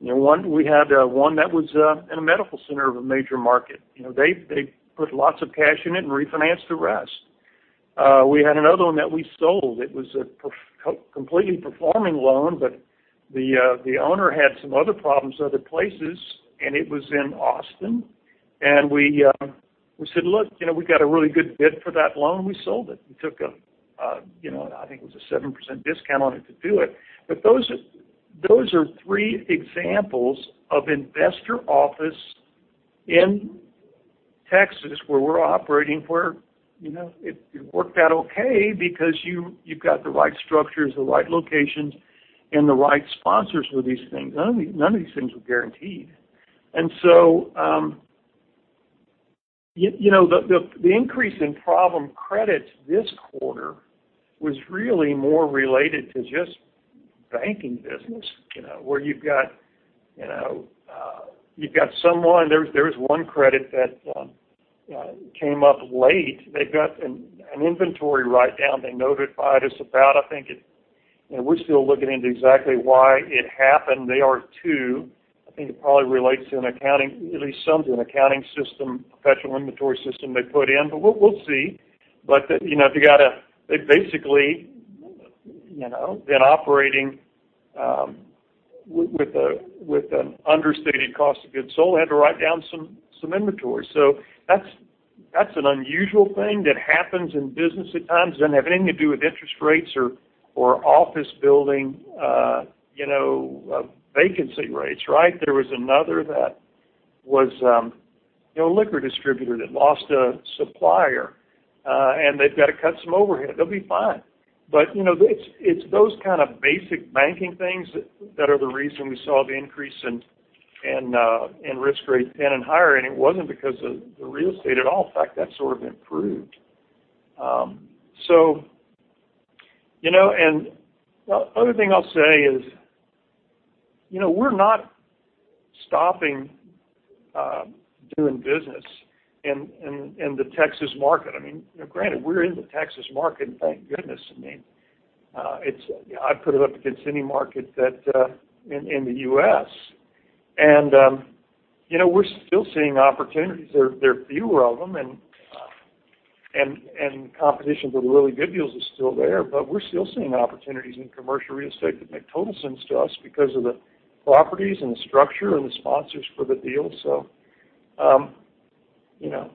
You know, one, we had one that was in a medical center of a major market. You know, they put lots of cash in it and refinanced the rest. We had another one that we sold. It was a completely performing loan, but the owner had some other problems, other places, and it was in Austin. And we said, "Look, you know, we've got a really good bid for that loan," we sold it. We took a, you know, I think it was a 7% discount on it to do it. But those are three examples of investor office in Texas, where we're operating, where, you know, it worked out okay because you've got the right structures, the right locations, and the right sponsors for these things. None of these things were guaranteed. And so, you know, the increase in problem credits this quarter was really more related to just banking business, you know, where you've got, you know, you've got someone. There is one credit that came up late. They've got an inventory write-down they notified us about. I think it. You know, we're still looking into exactly why it happened. They are, too. I think it probably relates to an accounting, at least something, an accounting system, professional inventory system they put in. But we'll see. But, you know, if you got to, they basically, you know, been operating with an understated cost of goods sold, had to write down some inventory. So that's an unusual thing that happens in business at times. It doesn't have anything to do with interest rates or office building, you know, vacancy rates, right? There was another that was, you know, a liquor distributor that lost a supplier, and they've got to cut some overhead. They'll be fine. But, you know, it's those kind of basic banking things that are the reason we saw the increase in risk grade 10 and higher, and it wasn't because of the real estate at all. In fact, that sort of improved. So, you know, and the other thing I'll say is, you know, we're not stopping doing business in the Texas market. I mean, you know, granted, we're in the Texas market, and thank goodness. I mean, it's. I'd put it up against any market that in the U.S. You know, we're still seeing opportunities. There are fewer of them, and competition for the really good deals is still there. But we're still seeing opportunities in commercial real estate that make total sense to us because of the properties and the structure and the sponsors for the deal. So, you know,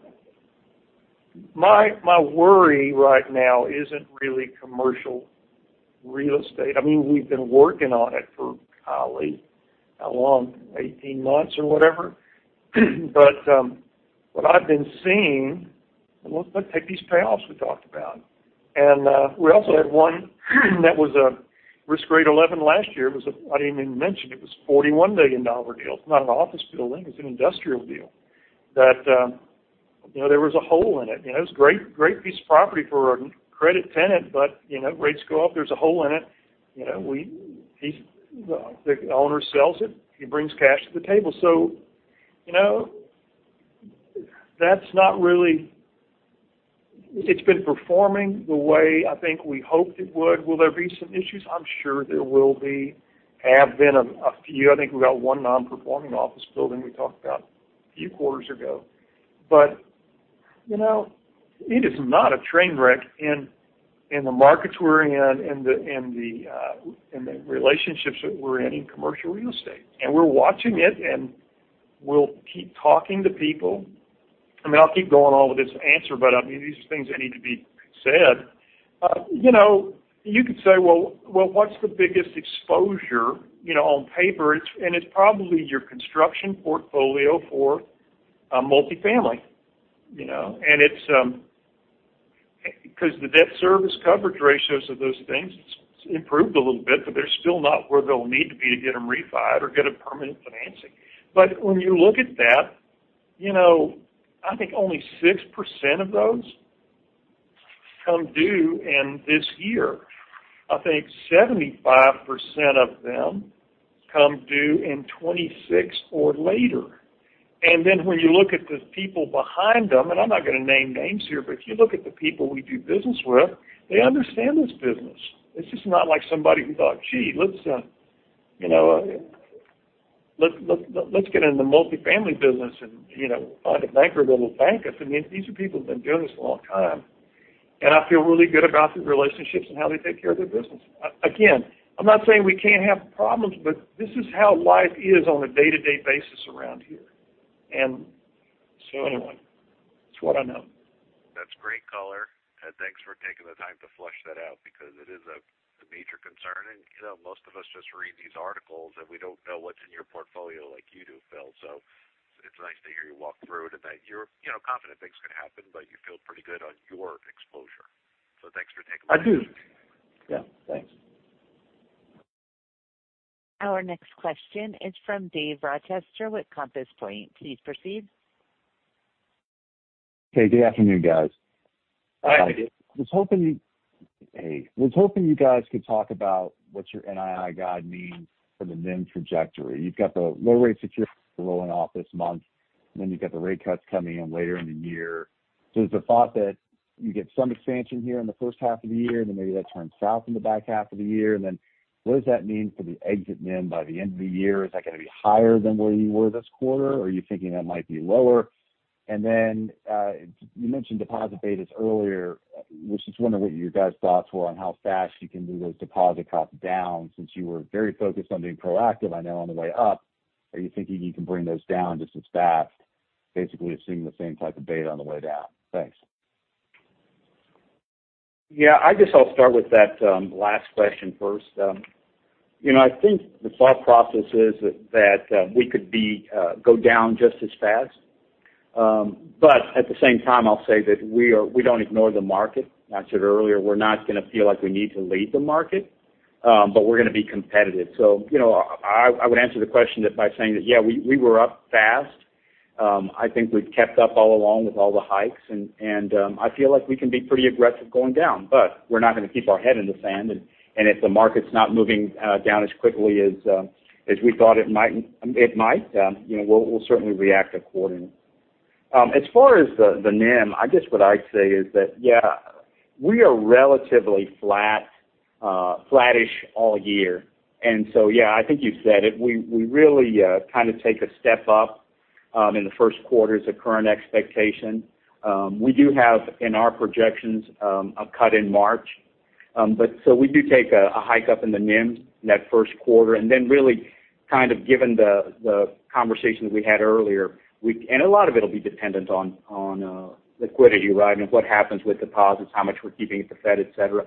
my worry right now isn't really commercial real estate. I mean, we've been working on it for, golly, how long? 18 months or whatever. But what I've been seeing, well, take these payoffs we talked about. And we also had one that was a risk grade 11 last year. I didn't even mention it, it was a $41 million deal. It's not an office building, it was an industrial deal that, you know, there was a hole in it. You know, it was a great, great piece of property for a credit tenant, but, you know, rates go up, there's a hole in it. You know, we, he, the owner sells it, he brings cash to the table. So, you know, that's not really, it's been performing the way I think we hoped it would. Will there be some issues? I'm sure there will be. Have been a few. I think we got one non-performing office building we talked about a few quarters ago. But, you know, it is not a train wreck in the markets we're in, and the relationships that we're in in commercial real estate. And we're watching it, and we'll keep talking to people. I mean I'll keep going on with this answer, but I mean, these are things that need to be said. You know, you could say, well, well, what's the biggest exposure? You know, on paper, it's, and it's probably your construction portfolio for multifamily, you know? And it's because the debt service coverage ratios of those things. It's improved a little bit, but they're still not where they'll need to be to get them refinanced or get a permanent financing. But when you look at that, you know, I think only 6% of those come due in this year. I think 75% of them come due in 2026 or later. And then when you look at the people behind them, and I'm not going to name names here, but if you look at the people we do business with, they understand this business. It's just not like somebody who thought, gee, let's, you know, get in the multifamily business and, you know, find a banker that will bank us. I mean, these are people who've been doing this a long time, and I feel really good about the relationships and how they take care of their business. Again, I'm not saying we can't have problems, but this is how life is on a day-to-day basis around here. And so anyway, it's what I know. That's great color, and thanks for taking the time to flesh that out because it is a major concern. And, you know, most of us just read these articles, and we don't know what's in your portfolio like you do, Phil. So it's nice to hear you walk through it and that you're, you know, confident things could happen, but you feel pretty good on your exposure. So thanks for taking the time. I do. Yeah, thanks. Our next question is from Dave Rochester with Compass Point. Please proceed. Hey, good afternoon, guys. Hi. I was hoping you guys could talk about what your NII guide means for the NIM trajectory. You've got the low rate securities rolling off this month, then you've got the rate cuts coming in later in the year. So is the thought that you get some expansion here in the first half of the year, and then maybe that turns south in the back half of the year? And then what does that mean for the exit NIM by the end of the year? Is that going to be higher than where you were this quarter, or are you thinking that might be lower? And then, you mentioned deposit betas earlier, I was just wondering what your guys' thoughts were on how fast you can move those deposit costs down, since you were very focused on being proactive, I know, on the way up. Are you thinking you can bring those down just as fast, basically assuming the same type of beta on the way down? Thanks. Yeah, I guess I'll start with that, last question first. You know, I think the thought process is that we could go down just as fast. But at the same time, I'll say that we don't ignore the market. I said earlier, we're not going to feel like we need to lead the market, but we're going to be competitive. So, you know, I would answer the question by saying that, yeah, we were up fast. I think we've kept up all along with all the hikes and I feel like we can be pretty aggressive going down, but we're not going to keep our head in the sand. If the market's not moving down as quickly as we thought it might, it might, you know, we'll certainly react accordingly. As far as the NIM, I guess what I'd say is that, yeah, we are relatively flat, flattish all year. And so, yeah, I think you've said it. We really kind of take a step up in the first quarter as a current expectation. We do have, in our projections, a cut in March. But so we do take a hike up in the NIM in that first quarter, and then really kind of given the conversation we had earlier, we and a lot of it will be dependent on liquidity, right? And what happens with deposits, how much we're keeping at the Fed, et cetera.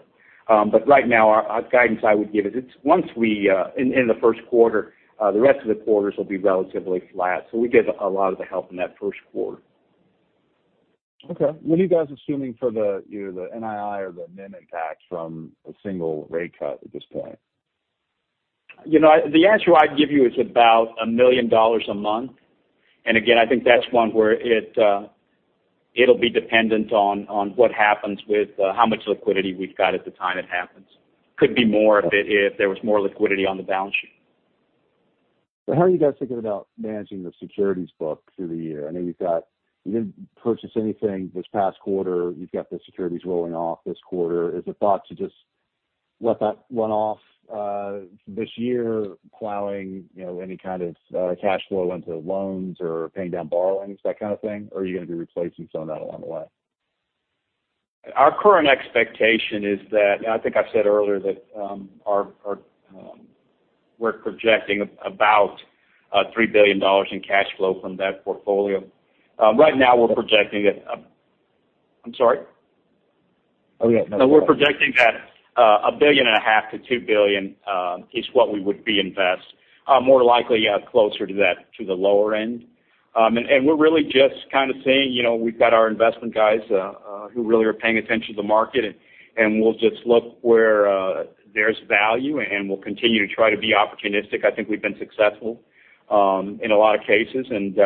But right now, our guidance I would give is, it's once we in the first quarter, the rest of the quarters will be relatively flat. So we get a lot of the help in that first quarter. Okay. What are you guys assuming for the, you know, the NII or the NIM impact from a single rate cut at this point? You know, the answer I'd give you is about $1 million a month. And again, I think that's one where it, it'll be dependent on, on what happens with, how much liquidity we've got at the time it happens. Could be more if it, if there was more liquidity on the balance sheet. So how are you guys thinking about managing the securities book through the year? I know you've got, you didn't purchase anything this past quarter. You've got the securities rolling off this quarter. Is it thought to just let that run off this year, plowing, you know, any kind of cash flow into loans or paying down borrowings, that kind of thing? Or are you going to be replacing some of that along the way? Our current expectation is that, I think I've said earlier, that, we're projecting about $3 billion in cash flow from that portfolio. Right now we're projecting it- I'm sorry? Oh, yeah. So we're projecting that, $1.5 billion-$2 billion is what we would reinvest. More likely, closer to that, to the lower end. And we're really just kind of seeing, you know, we've got our investment guys, who really are paying attention to the market, and we'll just look where there's value, and we'll continue to try to be opportunistic. I think we've been successful, in a lot of cases, and,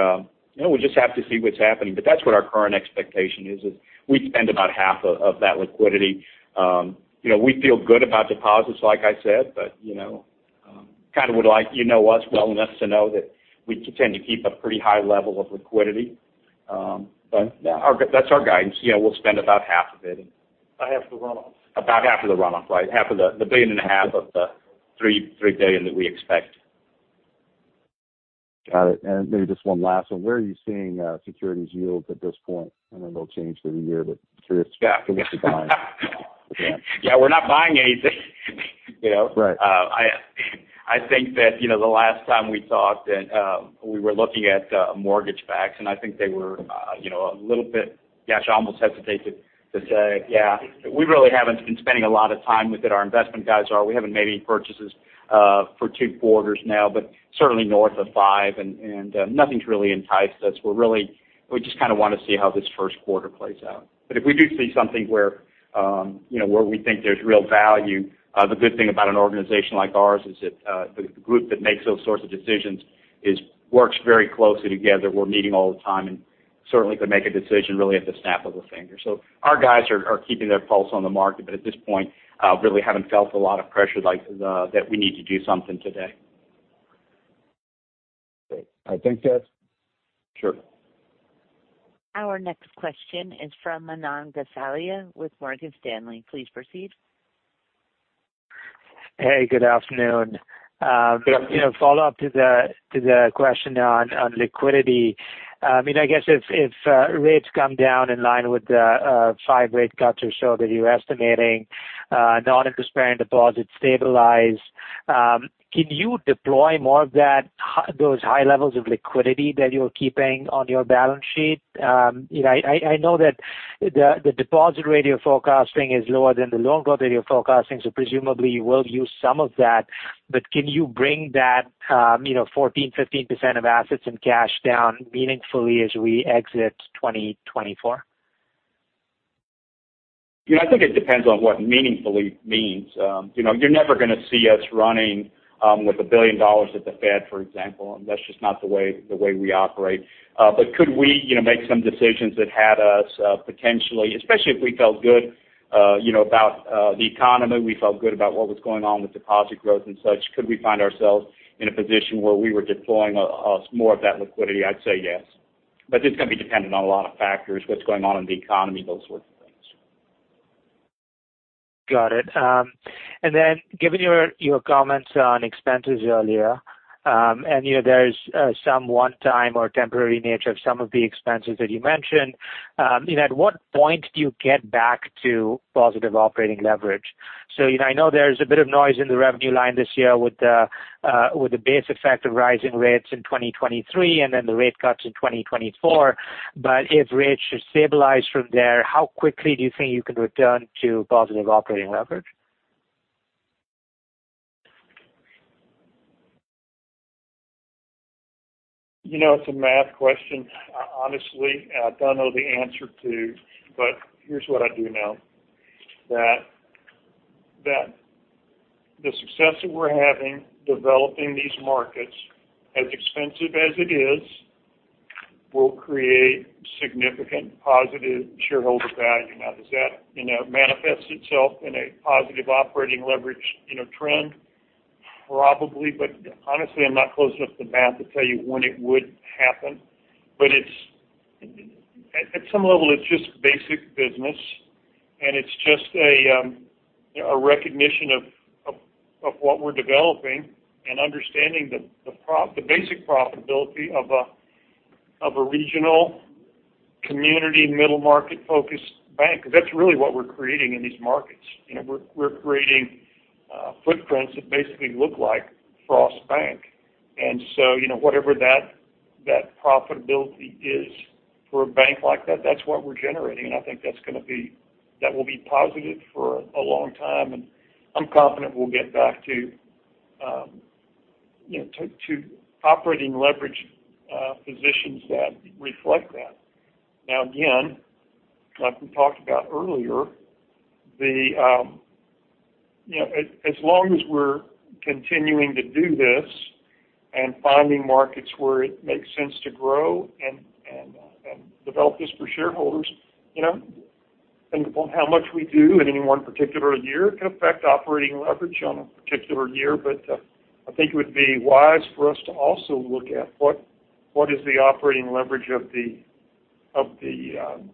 you know, we'll just have to see what's happening. But that's what our current expectation is, is we'd spend about half of that liquidity. You know, we feel good about deposits, like I said, but, you know, kind of would like you to know us well enough to know that we tend to keep a pretty high level of liquidity. But, yeah, our- that's our guidance. You know, we'll spend about half of it. About half of the runoffs. About half of the runoff, right. Half of the $1.5 billion of the $3 billion that we expect. Got it. Maybe just one last one. Where are you seeing securities yields at this point? I know they'll change through the year, but curious- Yeah. to get the timing. Yeah, we're not buying anything. You know, I think that, you know, the last time we talked and we were looking at mortgage rates, and I think they were, you know, a little bit, gosh, I almost hesitate to say, yeah, we really haven't been spending a lot of time with it. Our investment guys are, we haven't made any purchases for 2 quarters now, but certainly north of 5, and nothing's really enticed us. We're really, we just kind of want to see how this first quarter plays out. But if we do see something where, you know, where we think there's real value, the good thing about an organization like ours is that the group that makes those sorts of decisions works very closely together. We're meeting all the time and certainly could make a decision really at the snap of a finger. So our guys are keeping their pulse on the market, but at this point, really haven't felt a lot of pressure like that we need to do something today. Great. I think, Jess? Sure. Our next question is from Manan Gosalia with Morgan Stanley. Please proceed. Hey, good afternoon. You know, follow-up to the question on liquidity. I mean, I guess if rates come down in line with the five rate cuts or so that you're estimating, non-interest-bearing deposits stabilize, can you deploy more of that, those high levels of liquidity that you're keeping on your balance sheet? You know, I know that the deposit rate you're forecasting is lower than the loan growth rate you're forecasting, so presumably you will use some of that. But can you bring that, you know, 14%-15% of assets and cash down meaningfully as we exit 2024? Yeah, I think it depends on what meaningfully means. You know, you're never gonna see us running with $1 billion at the Fed, for example, and that's just not the way we operate. But could we, you know, make some decisions that had us potentially, especially if we felt good, you know, about the economy, we felt good about what was going on with deposit growth and such, could we find ourselves in a position where we were deploying more of that liquidity? I'd say yes. But it's gonna be dependent on a lot of factors, what's going on in the economy, those sorts of things. Got it. And then given your, your comments on expenses earlier, and, you know, there's some one-time or temporary nature of some of the expenses that you mentioned, you know, at what point do you get back to positive operating leverage? So, you know, I know there's a bit of noise in the revenue line this year with the base effect of rising rates in 2023 and then the rate cuts in 2024. But if rates should stabilize from there, how quickly do you think you can return to positive operating leverage? You know, it's a math question. Honestly, I don't know the answer to, but here's what I do know, that the success that we're having developing these markets, as expensive as it is, will create significant positive shareholder value. Now, does that, you know, manifest itself in a positive operating leverage, you know, trend? Probably, but honestly, I'm not close enough to math to tell you when it would happen. But it's at some level, it's just basic business, and it's just a recognition of what we're developing and understanding the basic profitability of a regional community, middle-market-focused bank, because that's really what we're creating in these markets. You know, we're creating footprints that basically look like Frost Bank. And so, you know, whatever that profitability is for a bank like that, that's what we're generating. And I think that's gonna be, that will be positive for a long time, and I'm confident we'll get back to, you know, to operating leverage positions that reflect that. Now, again, like we talked about earlier, the you know, as long as we're continuing to do this and finding markets where it makes sense to grow and develop this for shareholders, you know, think about how much we do in any one particular year, it can affect operating leverage on a particular year. But I think it would be wise for us to also look at what is the operating leverage of the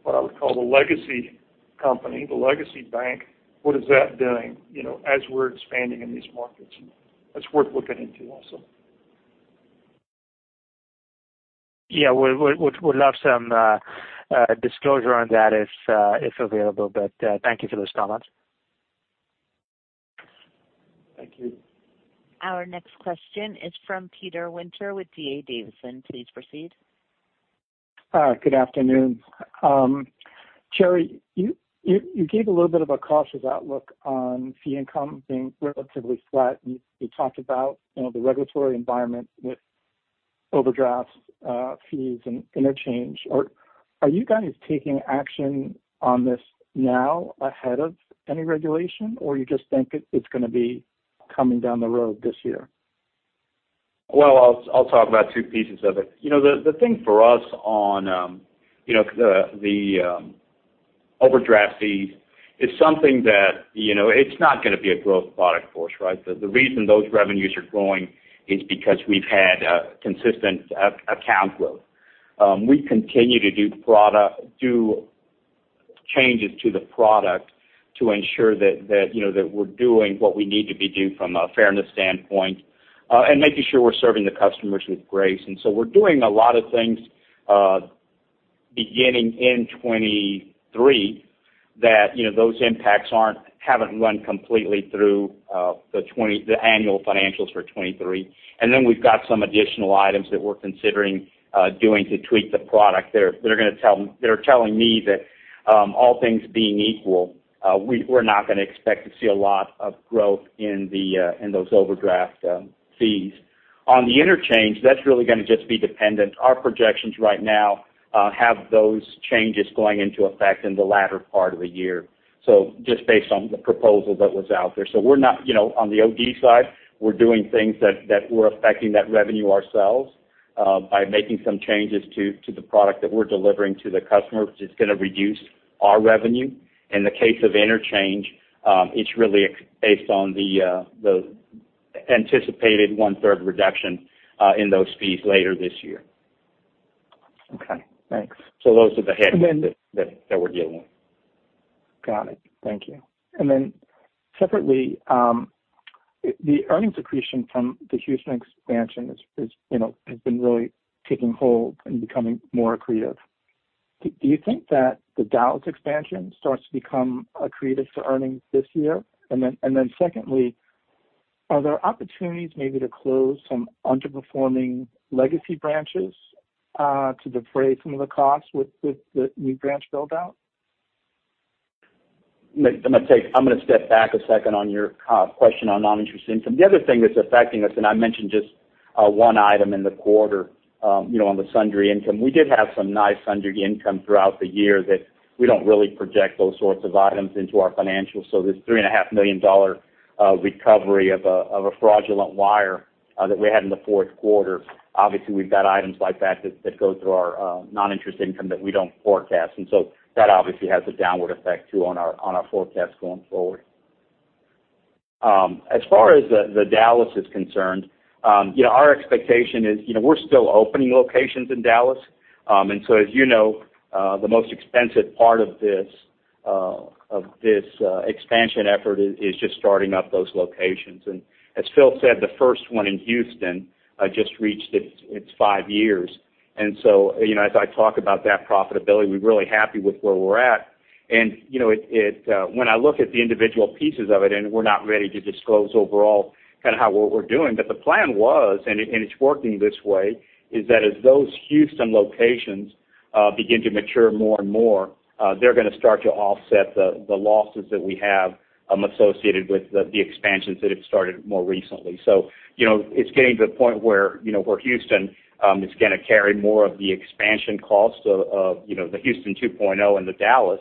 what I would call the legacy company, the legacy bank. What is that doing, you know, as we're expanding in these markets? That's worth looking into also. Yeah, we would love some disclosure on that if available. But, thank you for those comments. Thank you. Our next question is from Peter Winter with D.A. Davidson. Please proceed. Good afternoon. Jerry, you gave a little bit of a cautious outlook on fee income being relatively flat. You talked about, you know, the regulatory environment with overdrafts, fees, and interchange. Are you guys taking action on this now ahead of any regulation, or you just think it's gonna be coming down the road this year? Well, I'll talk about two pieces of it. You know, the thing for us on overdraft fees is something that, you know, it's not gonna be a growth product for us, right? The reason those revenues are growing is because we've had consistent account growth. We continue to do changes to the product to ensure that, you know, that we're doing what we need to be doing from a fairness standpoint, and making sure we're serving the customers with grace. And so we're doing a lot of things beginning in 2023, that, you know, those impacts haven't run completely through the 2023 annual financials for 2023. And then we've got some additional items that we're considering doing to tweak the product that are telling me that, all things being equal, we're not gonna expect to see a lot of growth in those overdraft fees. On the interchange, that's really gonna just be dependent. Our projections right now have those changes going into effect in the latter part of the year, so just based on the proposal that was out there. So we're not, you know, on the OD side, we're doing things that we're affecting that revenue ourselves by making some changes to the product that we're delivering to the customer, which is gonna reduce our revenue. In the case of interchange, it's really based on the anticipated one-third reduction in those fees later this year. Okay, thanks. So those are the headwinds that we're dealing with. Got it. Thank you. And then separately, the earnings accretion from the Houston expansion is, you know, has been really taking hold and becoming more accretive. Do you think that the Dallas expansion starts to become accretive to earnings this year? And then secondly, are there opportunities maybe to close some underperforming legacy branches to defray some of the costs with the new branch build-out? Let me take. I'm gonna step back a second on your question on non-interest income. The other thing that's affecting us, and I mentioned just one item in the quarter, you know, on the sundry income, we did have some nice sundry income throughout the year that we don't really project those sorts of items into our financials. So this $3.5 million recovery of a fraudulent wire that we had in the fourth quarter, obviously, we've got items like that that go through our non-interest income that we don't forecast. And so that obviously has a downward effect, too, on our forecast going forward. As far as the Dallas is concerned, you know, our expectation is, you know, we're still opening locations in Dallas. And so, as you know, the most expensive part of this expansion effort is just starting up those locations. And as Phil said, the first one in Houston just reached its 5 years. And so, you know, as I talk about that profitability, we're really happy with where we're at. And, you know, it when I look at the individual pieces of it, and we're not ready to disclose overall kind of how, what we're doing, but the plan was, and it's working this way, is that as those Houston locations begin to mature more and more, they're gonna start to offset the losses that we have associated with the expansions that have started more recently. So, you know, it's getting to the point where, you know, where Houston is gonna carry more of the expansion costs of, of, you know, the Houston 2.0 and the Dallas.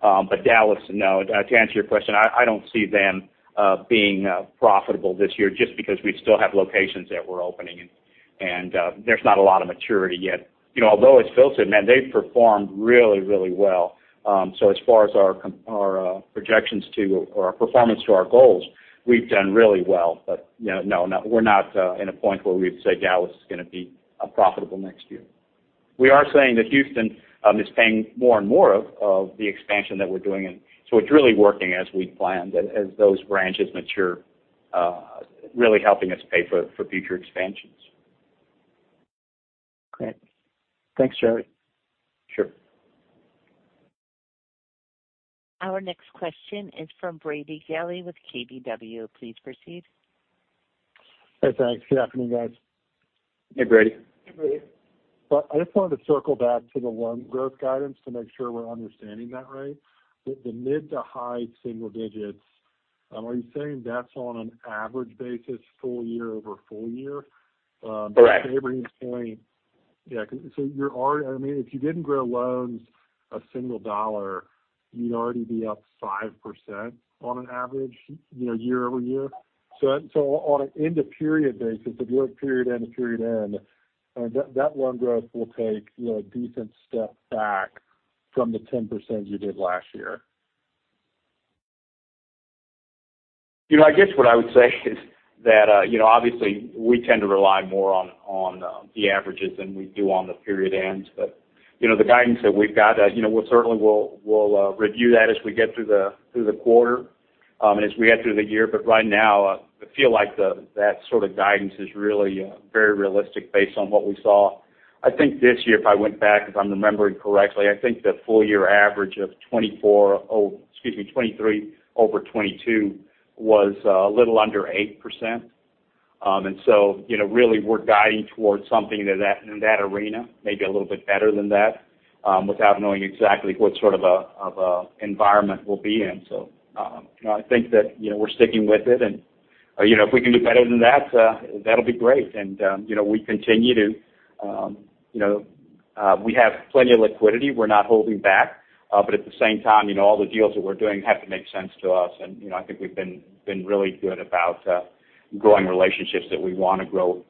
But Dallas, no. To answer your question, I, I don't see them being profitable this year just because we still have locations that we're opening, and, and, there's not a lot of maturity yet. You know, although, as Phil said, man, they've performed really, really well. So as far as our projections to, or our performance to our goals, we've done really well. But, you know, no, no, we're not in a point where we'd say Dallas is gonna be profitable next year. We are saying that Houston is paying more and more of the expansion that we're doing, and so it's really working as we'd planned, as those branches mature, really helping us pay for future expansions. Great. Thanks, Jerry. Sure. Our next question is from Brady Gailey with KBW. Please proceed. Hey, thanks. Good afternoon, guys. Hey, Brady. Hey, Brady. Well, I just wanted to circle back to the loan growth guidance to make sure we're understanding that right. With the mid to high single digits, are you saying that's on an average basis, full year over full year? Correct. Ebrahim's point, yeah, so you're already, I mean, if you didn't grow loans a single dollar, you'd already be up 5% on an average, you know, year-over-year. So, so on an end-of-period basis, if you look period end to period end, that, that loan growth will take, you know, a decent step back from the 10% you did last year. You know, I guess what I would say is that, you know, obviously, we tend to rely more on the averages than we do on the period ends. But, you know, the guidance that we've got, you know, we'll certainly review that as we get through the quarter, and as we get through the year. But right now, I feel like that sort of guidance is really very realistic based on what we saw. I think this year, if I went back, if I'm remembering correctly, I think the full year average of 2023 over 2022 was a little under 8%. And so, you know, really, we're guiding towards something that in that arena, maybe a little bit better than that, without knowing exactly what sort of an environment we'll be in. So, you know, I think that, you know, we're sticking with it, and, you know, if we can do better than that, that'll be great. And, you know, we continue to, you know, we have plenty of liquidity. We're not holding back. But at the same time, you know, all the deals that we're doing have to make sense to us. And, you know, I think we've been really good about growing relationships that we wanna grow.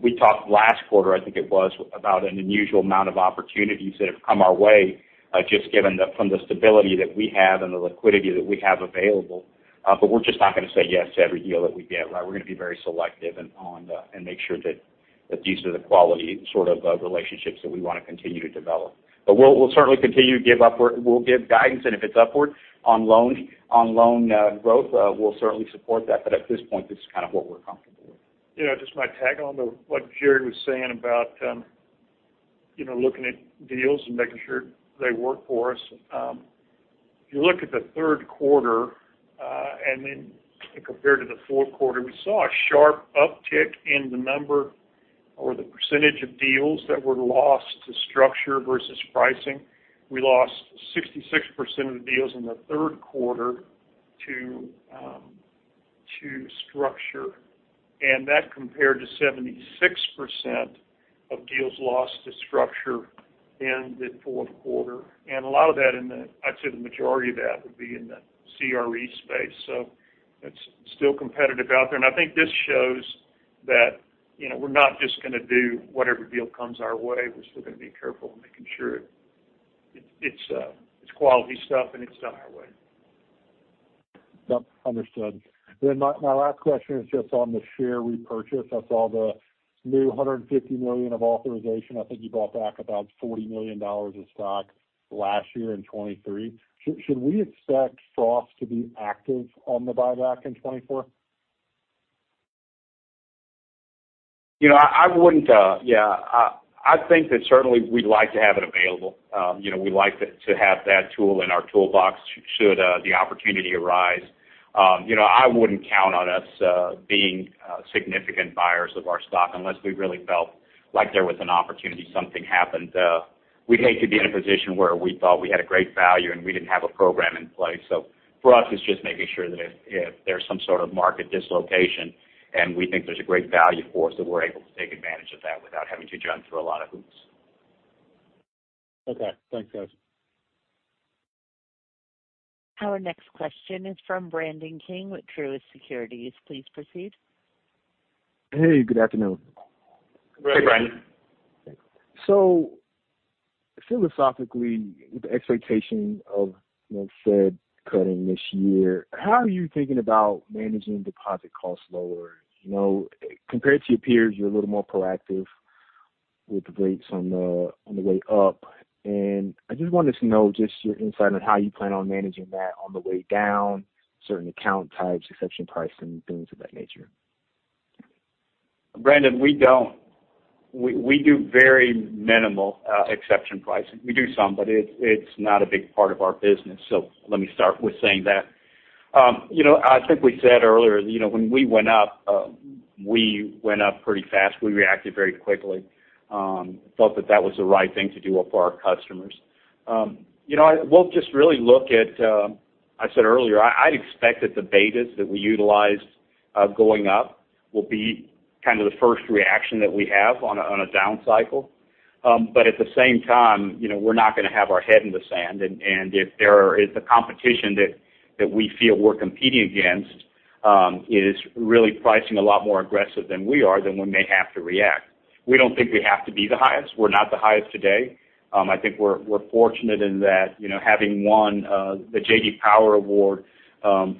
We talked last quarter, I think it was, about an unusual amount of opportunities that have come our way, just given the, from the stability that we have and the liquidity that we have available. But we're just not gonna say yes to every deal that we get. We're gonna be very selective and on the-- and make sure that, that these are the quality sort of, relationships that we wanna continue to develop. But we'll, we'll certainly continue to give upward-- we'll give guidance, and if it's upward, on loan, on loan, growth, we'll certainly support that. But at this point, this is kind of what we're comfortable with. You know, just my tag on to what Jerry was saying about, you know, looking at deals and making sure they work for us. If you look at the third quarter, and then compared to the fourth quarter, we saw a sharp uptick in the number or the percentage of deals that were lost to structure versus pricing. We lost 66% of the deals in the third quarter to, to structure, and that compared to 76% of deals lost to structure in the fourth quarter. And a lot of that in the-- I'd say the majority of that would be in the CRE space, so it's still competitive out there. And I think this shows that, you know, we're not just going to do whatever deal comes our way. We're still going to be careful in making sure it's quality stuff, and it's done our way. Yep, understood. Then my last question is just on the share repurchase. I saw the new $150 million of authorization. I think you bought back about $40 million of stock last year in 2023. Should we expect Frost to be active on the buyback in 2024? You know, I wouldn't. Yeah, I think that certainly we'd like to have it available. You know, we'd like to have that tool in our toolbox should the opportunity arise. You know, I wouldn't count on us being significant buyers of our stock unless we really felt like there was an opportunity, something happened. We'd hate to be in a position where we thought we had a great value, and we didn't have a program in place. So for us, it's just making sure that if there's some sort of market dislocation, and we think there's a great value for us, that we're able to take advantage of that without having to jump through a lot of hoops. Okay, thanks, guys. Our next question is from Brandon King with Truist Securities. Please proceed. Hey, good afternoon. Hey, Brandon. So philosophically, with the expectation of, you know, Fed cutting this year, how are you thinking about managing deposit costs lower? You know, compared to your peers, you're a little more proactive with the rates on the, on the way up. And I just wanted to know just your insight on how you plan on managing that on the way down, certain account types, exception pricing, things of that nature. Brandon, we don't - we do very minimal exception pricing. We do some, but it's not a big part of our business. So let me start with saying that. You know, I think we said earlier, you know, when we went up, we went up pretty fast. We reacted very quickly. Thought that that was the right thing to do for our customers. You know, we'll just really look at. I said earlier, I'd expect that the betas that we utilize going up will be kind of the first reaction that we have on a down cycle. But at the same time, you know, we're not going to have our head in the sand. If there is a competition that we feel we're competing against is really pricing a lot more aggressive than we are, then we may have to react. We don't think we have to be the highest. We're not the highest today. I think we're fortunate in that, you know, having won the J.D. Power Award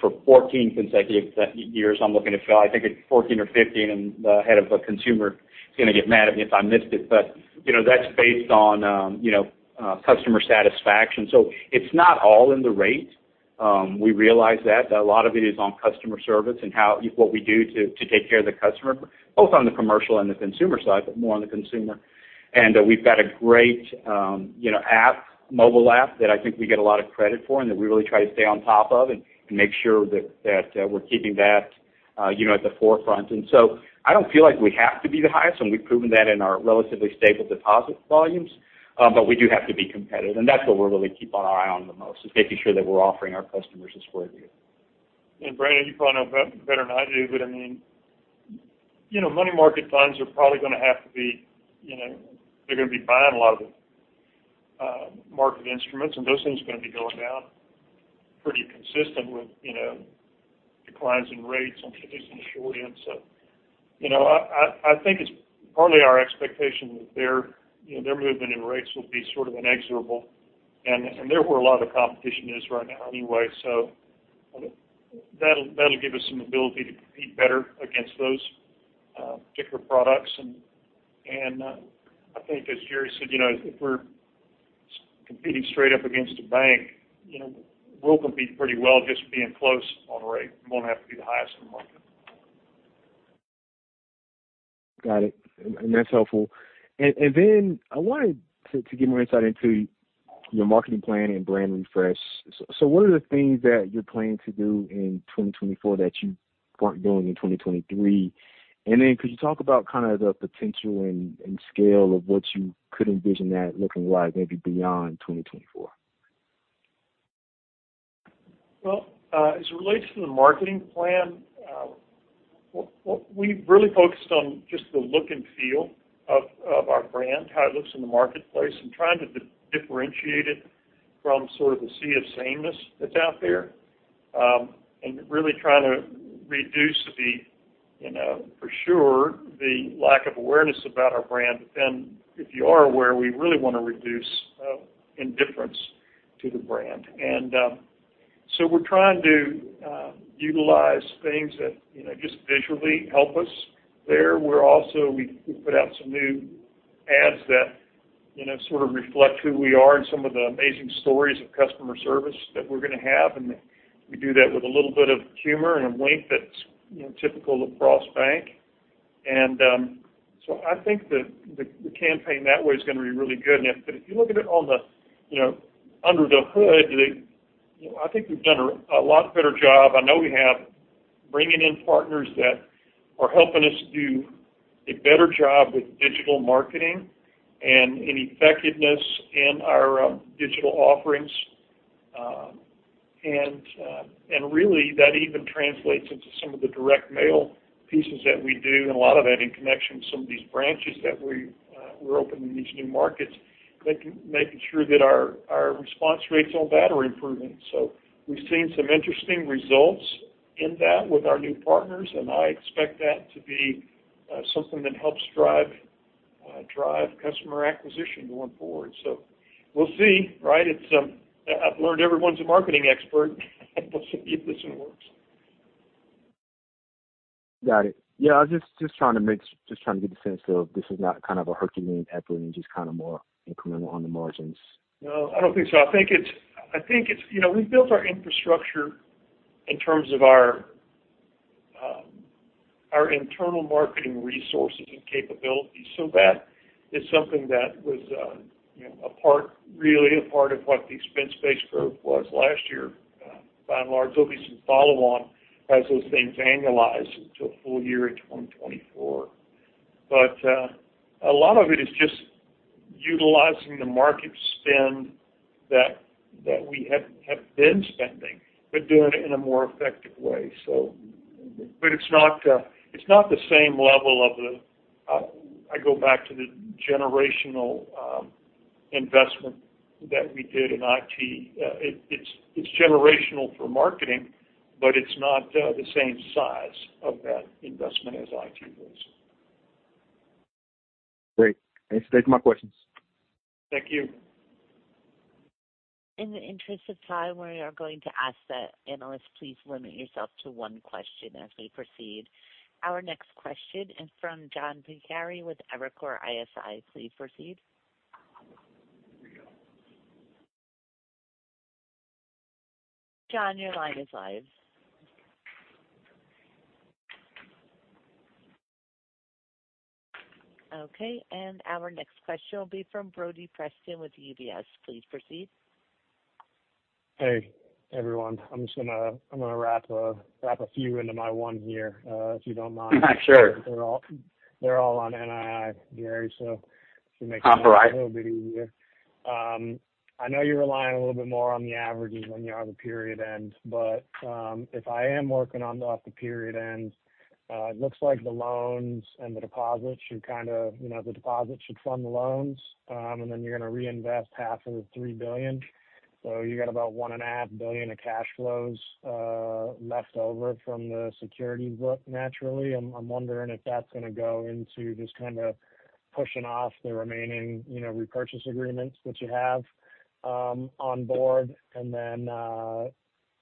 for 14 consecutive years. I'm looking at Phil, I think it's 14 or 15, and the head of the consumer is going to get mad at me if I missed it. But, you know, that's based on, you know, customer satisfaction. So it's not all in the rate. We realize that. A lot of it is on customer service and how what we do to take care of the customer, both on the commercial and the consumer side, but more on the consumer. And we've got a great, you know, app, mobile app that I think we get a lot of credit for and that we really try to stay on top of and make sure that you know, at the forefront. And so I don't feel like we have to be the highest, and we've proven that in our relatively stable deposit volumes, but we do have to be competitive, and that's what we really keep our eye on the most, is making sure that we're offering our customers a square deal. And, Brandon, you probably know better than I do, but I mean, you know, money market funds are probably going to have to be, you know, they're going to be buying a lot of market instruments, and those things are going to be going down pretty consistent with, you know, declines in rates, at least in the short end. So, you know, I think it's partly our expectation that their, you know, their movement in rates will be sort of inexorable, and there where a lot of the competition is right now anyway. So that'll, that'll give us some ability to compete better against those particular products. And I think as Jerry said, you know, if we're competing straight up against a bank, you know, we'll compete pretty well just being close on the rate. We won't have to be the highest in the market. Got it. That's helpful. Then I wanted to get more insight into your marketing plan and brand refresh. So what are the things that you're planning to do in 2024 that you weren't doing in 2023? And then could you talk about kind of the potential and scale of what you could envision that looking like maybe beyond 2024? Well, as it relates to the marketing plan, what we've really focused on just the look and feel of our brand, how it looks in the marketplace, and trying to differentiate it from sort of the sea of sameness that's out there. And really trying to reduce the, you know, for sure, the lack of awareness about our brand. But then, if you are aware, we really want to reduce indifference to the brand. And so we're trying to utilize things that, you know, just visually help us there. We're also, we put out some new ads that, you know, sort of reflect who we are and some of the amazing stories of customer service that we're going to have. And we do that with a little bit of humor and a wink that's, you know, typical of Frost Bank. And so I think that the campaign that way is going to be really good. And if you look at it on the, you know, under the hood, I think we've done a lot better job. I know we have, bringing in partners that are helping us do a better job with digital marketing and in effectiveness in our digital offerings. And really, that even translates into some of the direct mail pieces that we do, and a lot of that in connection with some of these branches that we're opening in these new markets, making sure that our response rates on that are improving. So we've seen some interesting results in that with our new partners, and I expect that to be something that helps drive customer acquisition going forward. So we'll see, right? It's, I've learned everyone's a marketing expert, we'll see if this one works. Got it. Yeah, I was just trying to get the sense of this is not kind of a Herculean effort, and just kind of more incremental on the margins. No, I don't think so. I think it's, I think it's, you know, we've built our infrastructure in terms of our, our internal marketing resources and capabilities. So that is something that was, you know, a part, really a part of what the expense base growth was last year. By and large, there'll be some follow-on as those things annualize into a full year in 2024. But, a lot of it is just utilizing the market spend that, that we have, have been spending, but doing it in a more effective way. So, but it's not, it's not the same level of the, I go back to the generational, investment that we did in IT. It, it's, it's generational for marketing, but it's not, the same size of that investment as IT was. Great. Thanks. That's my questions. Thank you. In the interest of time, we are going to ask that analysts please limit yourself to one question as we proceed. Our next question is from John Pancari with Evercore ISI. Please proceed. John, your line is live. Okay, and our next question will be from Brody Preston with UBS. Please proceed. Hey, everyone. I'm just gonna wrap a few into my one here, if you don't mind. Sure. They're all on NII, Jerry so. All right. It should make it a little bit easier. I know you're relying a little bit more on the averages when you have a period end, but if I am working off the period end, it looks like the loans and the deposits should kind of, you know, the deposits should fund the loans, and then you're going to reinvest half of the $3 billion. So you got about $1.5 billion of cash flows left over from the securities book naturally. I'm wondering if that's going to go into just kind of pushing off the remaining, you know, repurchase agreements that you have on board. And then,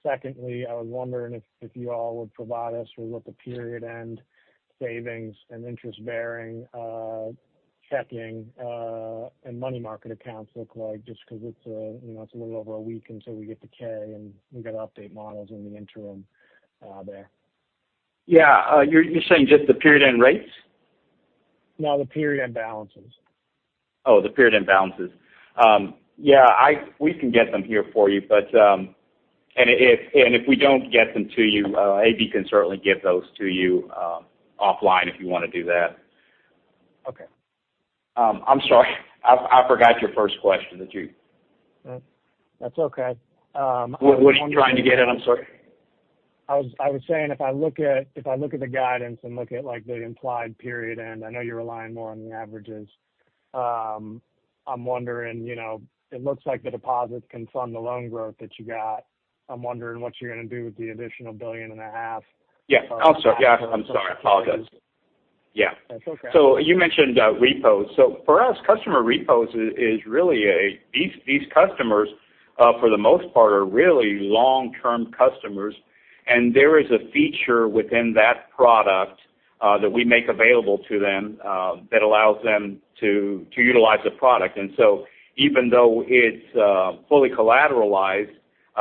secondly, I was wondering if you all would provide us with what the period-end savings and interest-bearing checking and money market accounts look like, just because it's a, you know, it's a little over a week until we get to K, and we've got to update models in the interim, there. Yeah. You're, you're saying just the period-end rates? No, the period-end balances. Oh, the period-end balances. Yeah, we can get them here for you, but, and if we don't get them to you, A.B. can certainly get those to you, offline, if you want to do that. Okay. I'm sorry, I forgot your first question that you- That's okay. What was you trying to get at? I'm sorry. I was saying, if I look at the guidance and look at, like, the implied period end, I know you're relying more on the averages. I'm wondering, you know, it looks like the deposits can fund the loan growth that you got. I'm wondering what you're going to do with the additional $1.5 billion. Yeah. Oh, sorry. Yeah, I'm sorry. I apologize. Yeah. That's okay. So you mentioned repos. So for us, customer repos is really a. These customers, for the most part, are really long-term customers. And there is a feature within that product that we make available to them that allows them to utilize the product. And so even though it's fully collateralized,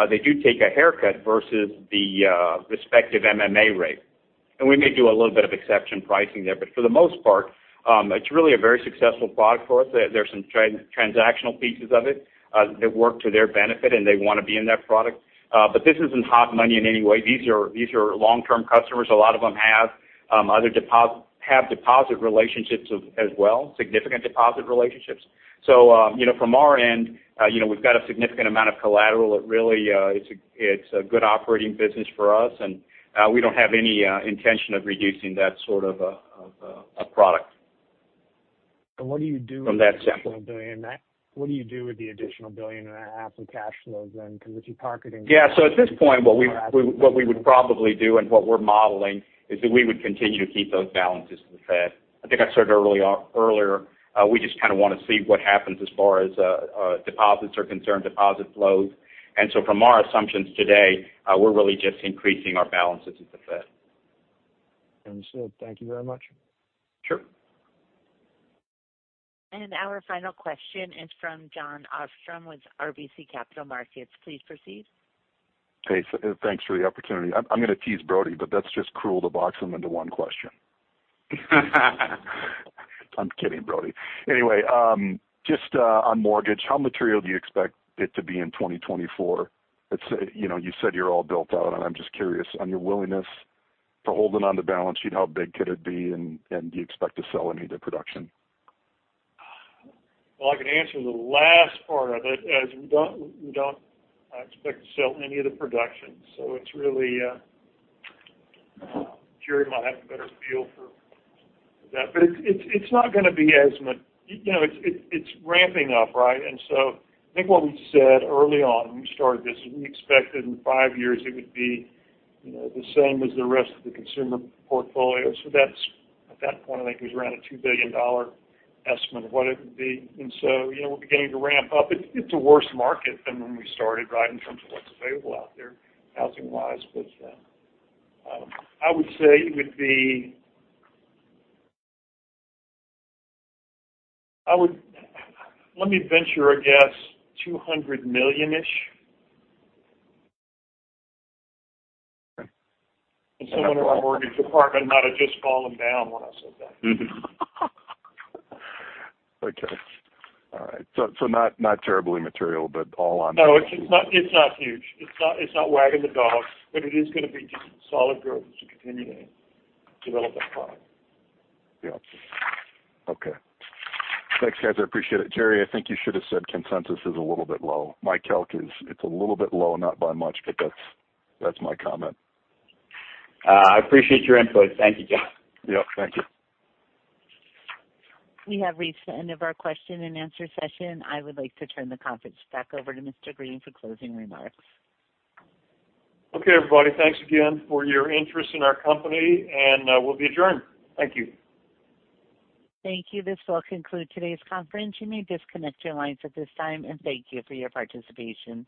they do take a haircut versus the respective MMA rate. And we may do a little bit of exception pricing there, but for the most part, it's really a very successful product for us. There are some transactional pieces of it that work to their benefit, and they want to be in that product. But this isn't hot money in any way. These are long-term customers. A lot of them have other deposit relationships as well, significant deposit relationships. So, you know, from our end, you know, we've got a significant amount of collateral. It really, it's a good operating business for us, and we don't have any intention of reducing that sort of a product. But what do you do. From that standpoint. What do you do with the additional $1.5 billion of cash flows then? Because if you're targeting- Yeah. So at this point, what we would probably do and what we're modeling is that we would continue to keep those balances with the Fed. I think I said early on, earlier, we just kind of want to see what happens as far as deposits are concerned, deposit flows. And so from our assumptions today, we're really just increasing our balances at the Fed. Understood. Thank you very much. Sure. Our final question is from Jon Arfstrom with RBC Capital Markets. Please proceed. Hey, so thanks for the opportunity. I'm gonna tease Brody, but that's just cruel to box him into one question. I'm kidding, Brody. Anyway, just on mortgage, how material do you expect it to be in 2024? Let's say, you know, you said you're all built out, and I'm just curious on your willingness to hold it on the balance sheet, how big could it be, and do you expect to sell any of the production? Well, I can answer the last part of it, as we don't, we don't expect to sell any of the production. So it's really, Jerry might have a better feel for that, but it's, it's, it's not gonna be as much. You know, it's, it's ramping up, right? And so I think what we said early on when we started this, is we expected in five years it would be, you know, the same as the rest of the consumer portfolio. So that's, at that point, I think it was around a $2 billion estimate of what it would be. And so, you know, we're beginning to ramp up. It's, it's a worse market than when we started, right? In terms of what's available out there housing-wise. But, I would say it would be, I would, let me venture a guess, $200 million-ish. Okay. Someone in our mortgage department might have just fallen down when I said that. Okay. All right. So, not terribly material, but all on- No, it's not, it's not huge. It's not, it's not wagging the dog, but it is gonna be just solid growth as we continue to develop that product. Yeah. Okay. Thanks, guys. I appreciate it. Jerry, I think you should have said consensus is a little bit low. My calc is, it's a little bit low, not by much, but that's, that's my comment. I appreciate your input. Thank you, John. Yep, thank you. We have reached the end of our question-and-answer session. I would like to turn the conference back over to Mr. Green for closing remarks. Okay, everybody, thanks again for your interest in our company, and we'll be adjourned. Thank you. Thank you. This will conclude today's conference. You may disconnect your lines at this time, and thank you for your participation.